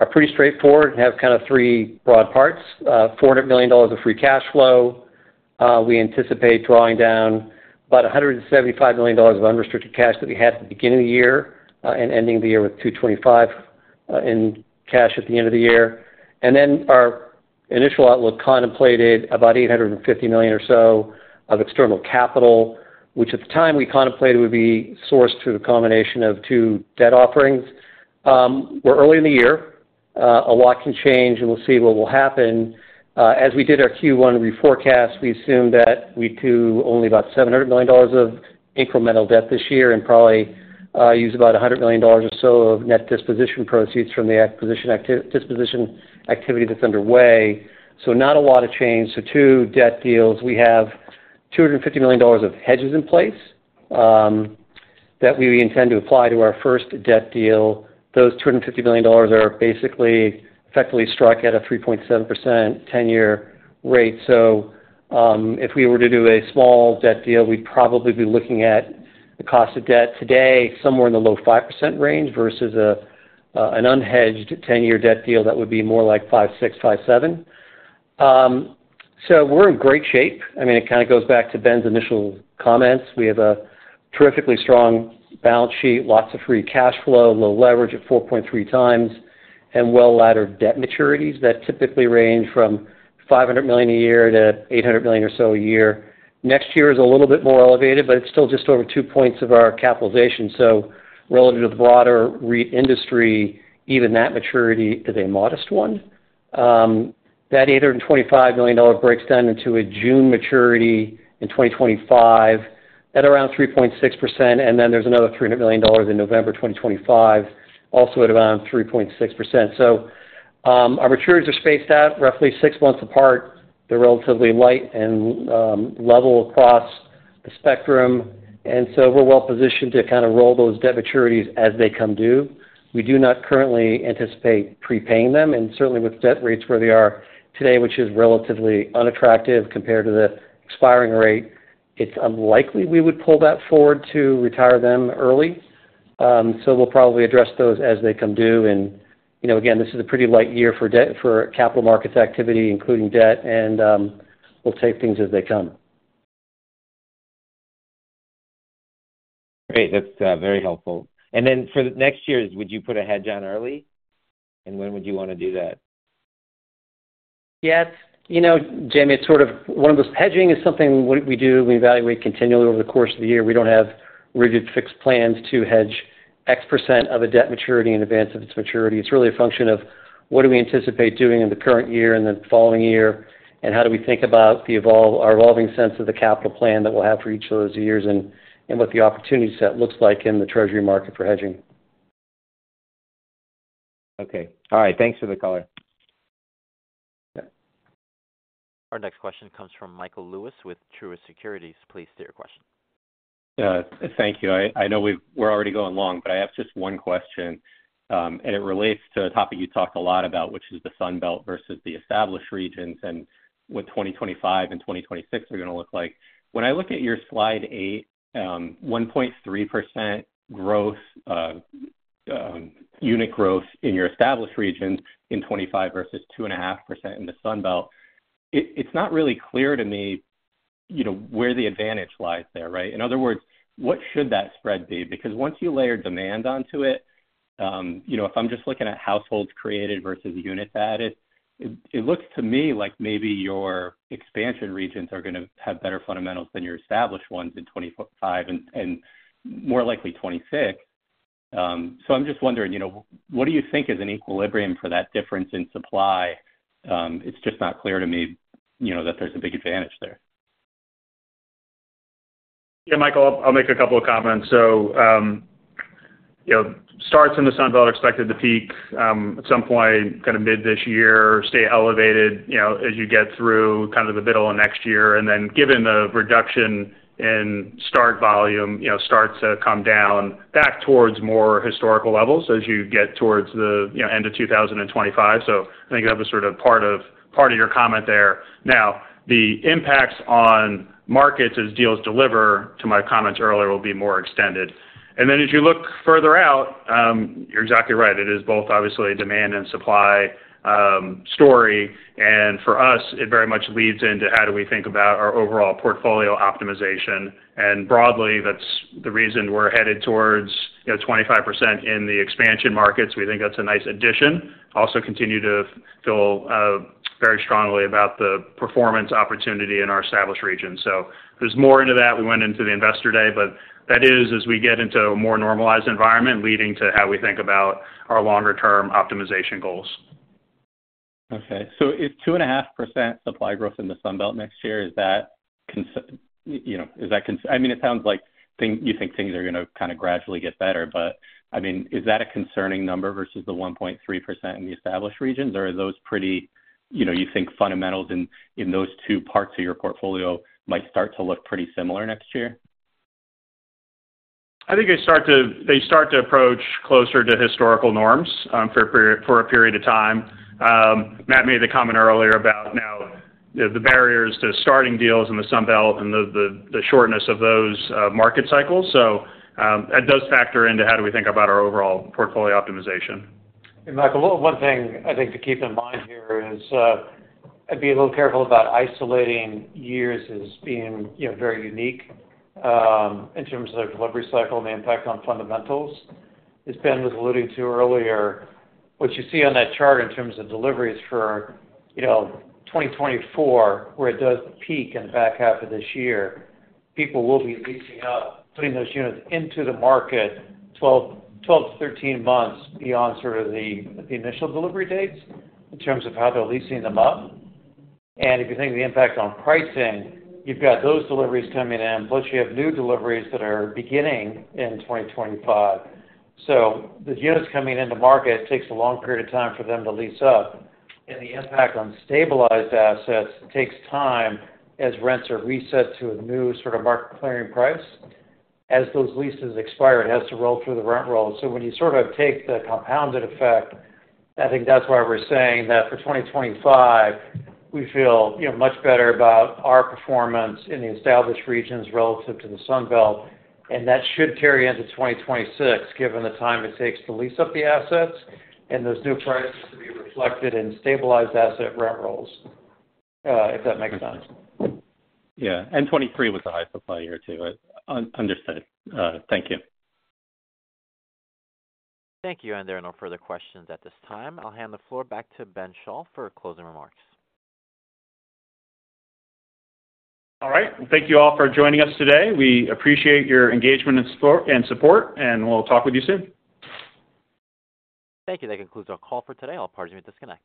are pretty straightforward and have kind of three broad parts. $400 million of free cash flow. We anticipate drawing down about $175 million of unrestricted cash that we had at the beginning of the year, and ending the year with $225 million in cash at the end of the year. And then our initial outlook contemplated about $850 million or so of external capital, which at the time we contemplated would be sourced through the combination of two debt offerings. We're early in the year. A lot can change, and we'll see what will happen. As we did our Q1 reforecast, we assumed that we'd do only about $700 million of incremental debt this year and probably use about $100 million or so of net disposition proceeds from the disposition activity that's underway. So not a lot of change. So two debt deals. We have $250 million of hedges in place that we intend to apply to our first debt deal. Those $250 million are basically effectively struck at a 3.7% ten-year rate. So, if we were to do a small debt deal, we'd probably be looking at the cost of debt today, somewhere in the low 5% range versus an unhedged ten-year debt deal that would be more like 5.6, 5.7. So we're in great shape. I mean, it kind of goes back to Ben's initial comments. We have a terrifically strong balance sheet, lots of free cash flow, low leverage of 4.3 times, and well-laddered debt maturities that typically range from $500 million a year to $800 million or so a year. Next year is a little bit more elevated, but it's still just over 2 points of our capitalization. So relative to the broader REIT industry, even that maturity is a modest one. That $825 million breaks down into a June maturity in 2025 at around 3.6%, and then there's another $300 million in November 2025, also at around 3.6%. So, our maturities are spaced out roughly 6 months apart. They're relatively light and, level across the spectrum, and so we're well positioned to kind of roll those debt maturities as they come due. We do not currently anticipate prepaying them, and certainly with debt rates where they are today, which is relatively unattractive compared to the expiring rate, it's unlikely we would pull that forward to retire them early. So we'll probably address those as they come due, and, you know, again, this is a pretty light year for capital markets activity, including debt, and we'll take things as they come. Great. That's very helpful. And then for the next years, would you put a hedge on early? And when would you wanna do that? Yeah. You know, Jamie, it's sort of one of those. Hedging is something we do, we evaluate continually over the course of the year. We don't have rigid, fixed plans to hedge X% of a debt maturity in advance of its maturity. It's really a function of what do we anticipate doing in the current year and the following year, and how do we think about our evolving sense of the capital plan that we'll have for each of those years, and what the opportunity set looks like in the treasury market for hedging. Okay, all right. Thanks for the color. Yeah. Our next question comes from Michael Lewis with Truist Securities. Please state your question. Thank you. I know we're already going long, but I have just one question, and it relates to a topic you talked a lot about, which is the Sun Belt versus the established regions and what 2025 and 2026 are gonna look like. When I look at your Slide 8, 1.3% growth, unit growth in your established regions in 2025 versus 2.5% in the Sun Belt, it's not really clear to me, you know, where the advantage lies there, right? In other words, what should that spread be? Because once you layer demand onto it, you know, if I'm just looking at households created versus units added, it looks to me like maybe your expansion regions are gonna have better fundamentals than your established ones in 2025 and, more likely, 2026. So I'm just wondering, you know, what do you think is an equilibrium for that difference in supply? It's just not clear to me, you know, that there's a big advantage there. Yeah, Michael, I'll make a couple of comments. So, you know, starts in the Sun Belt are expected to peak at some point, kind of mid this year, stay elevated, you know, as you get through kind of the middle of next year. And then, given the reduction in start volume, you know, starts to come down back towards more historical levels as you get towards the, you know, end of 2025. So I think that was sort of part of, part of your comment there. Now, the impacts on markets as deals deliver, to my comments earlier, will be more extended. And then as you look further out, you're exactly right. It is both obviously a demand and supply story, and for us, it very much leads into how do we think about our overall portfolio optimization. Broadly, that's the reason we're headed towards, you know, 25% in the expansion markets. We think that's a nice addition. Also continue to feel very strongly about the performance opportunity in our established region. So there's more into that. We went into the Investor Day, but that is, as we get into a more normalized environment, leading to how we think about our longer-term optimization goals. Okay. So if 2.5% supply growth in the Sun Belt next year, is that concerning? You know, I mean, it sounds like things—you think things are gonna kind of gradually get better, but, I mean, is that a concerning number versus the 1.3% in the established regions? Or are those pretty, you know, you think fundamentals in those two parts of your portfolio might start to look pretty similar next year? I think they start to approach closer to historical norms for a period of time. Matt made a comment earlier about now, you know, the barriers to starting deals in the Sun Belt and the shortness of those market cycles. So, that does factor into how do we think about our overall portfolio optimization. Michael, one thing I think to keep in mind here is, I'd be a little careful about isolating years as being, you know, very unique, in terms of the delivery cycle and the impact on fundamentals. As Ben was alluding to earlier, what you see on that chart in terms of deliveries for, you know, 2024, where it does peak in the back half of this year, people will be leasing up, putting those units into the market 12 to 13 months beyond sort of the, the initial delivery dates, in terms of how they're leasing them up. If you think the impact on pricing, you've got those deliveries coming in, plus you have new deliveries that are beginning in 2025. So the units coming into market takes a long period of time for them to lease up, and the impact on stabilized assets takes time as rents are reset to a new sort of market clearing price. As those leases expire, it has to roll through the rent roll. So when you sort of take the compounded effect, I think that's why we're saying that for 2025, we feel, you know, much better about our performance in the established regions relative to the Sun Belt, and that should carry into 2026, given the time it takes to lease up the assets and those new prices to be reflected in stabilized asset rent rolls, if that makes sense. Yeah, and 2023 was a high supply year, too. Understood. Thank you. Thank you. There are no further questions at this time. I'll hand the floor back to Ben Schall for closing remarks. All right. Thank you all for joining us today. We appreciate your engagement and support, and we'll talk with you soon. Thank you. That concludes our call for today. All parties may disconnect.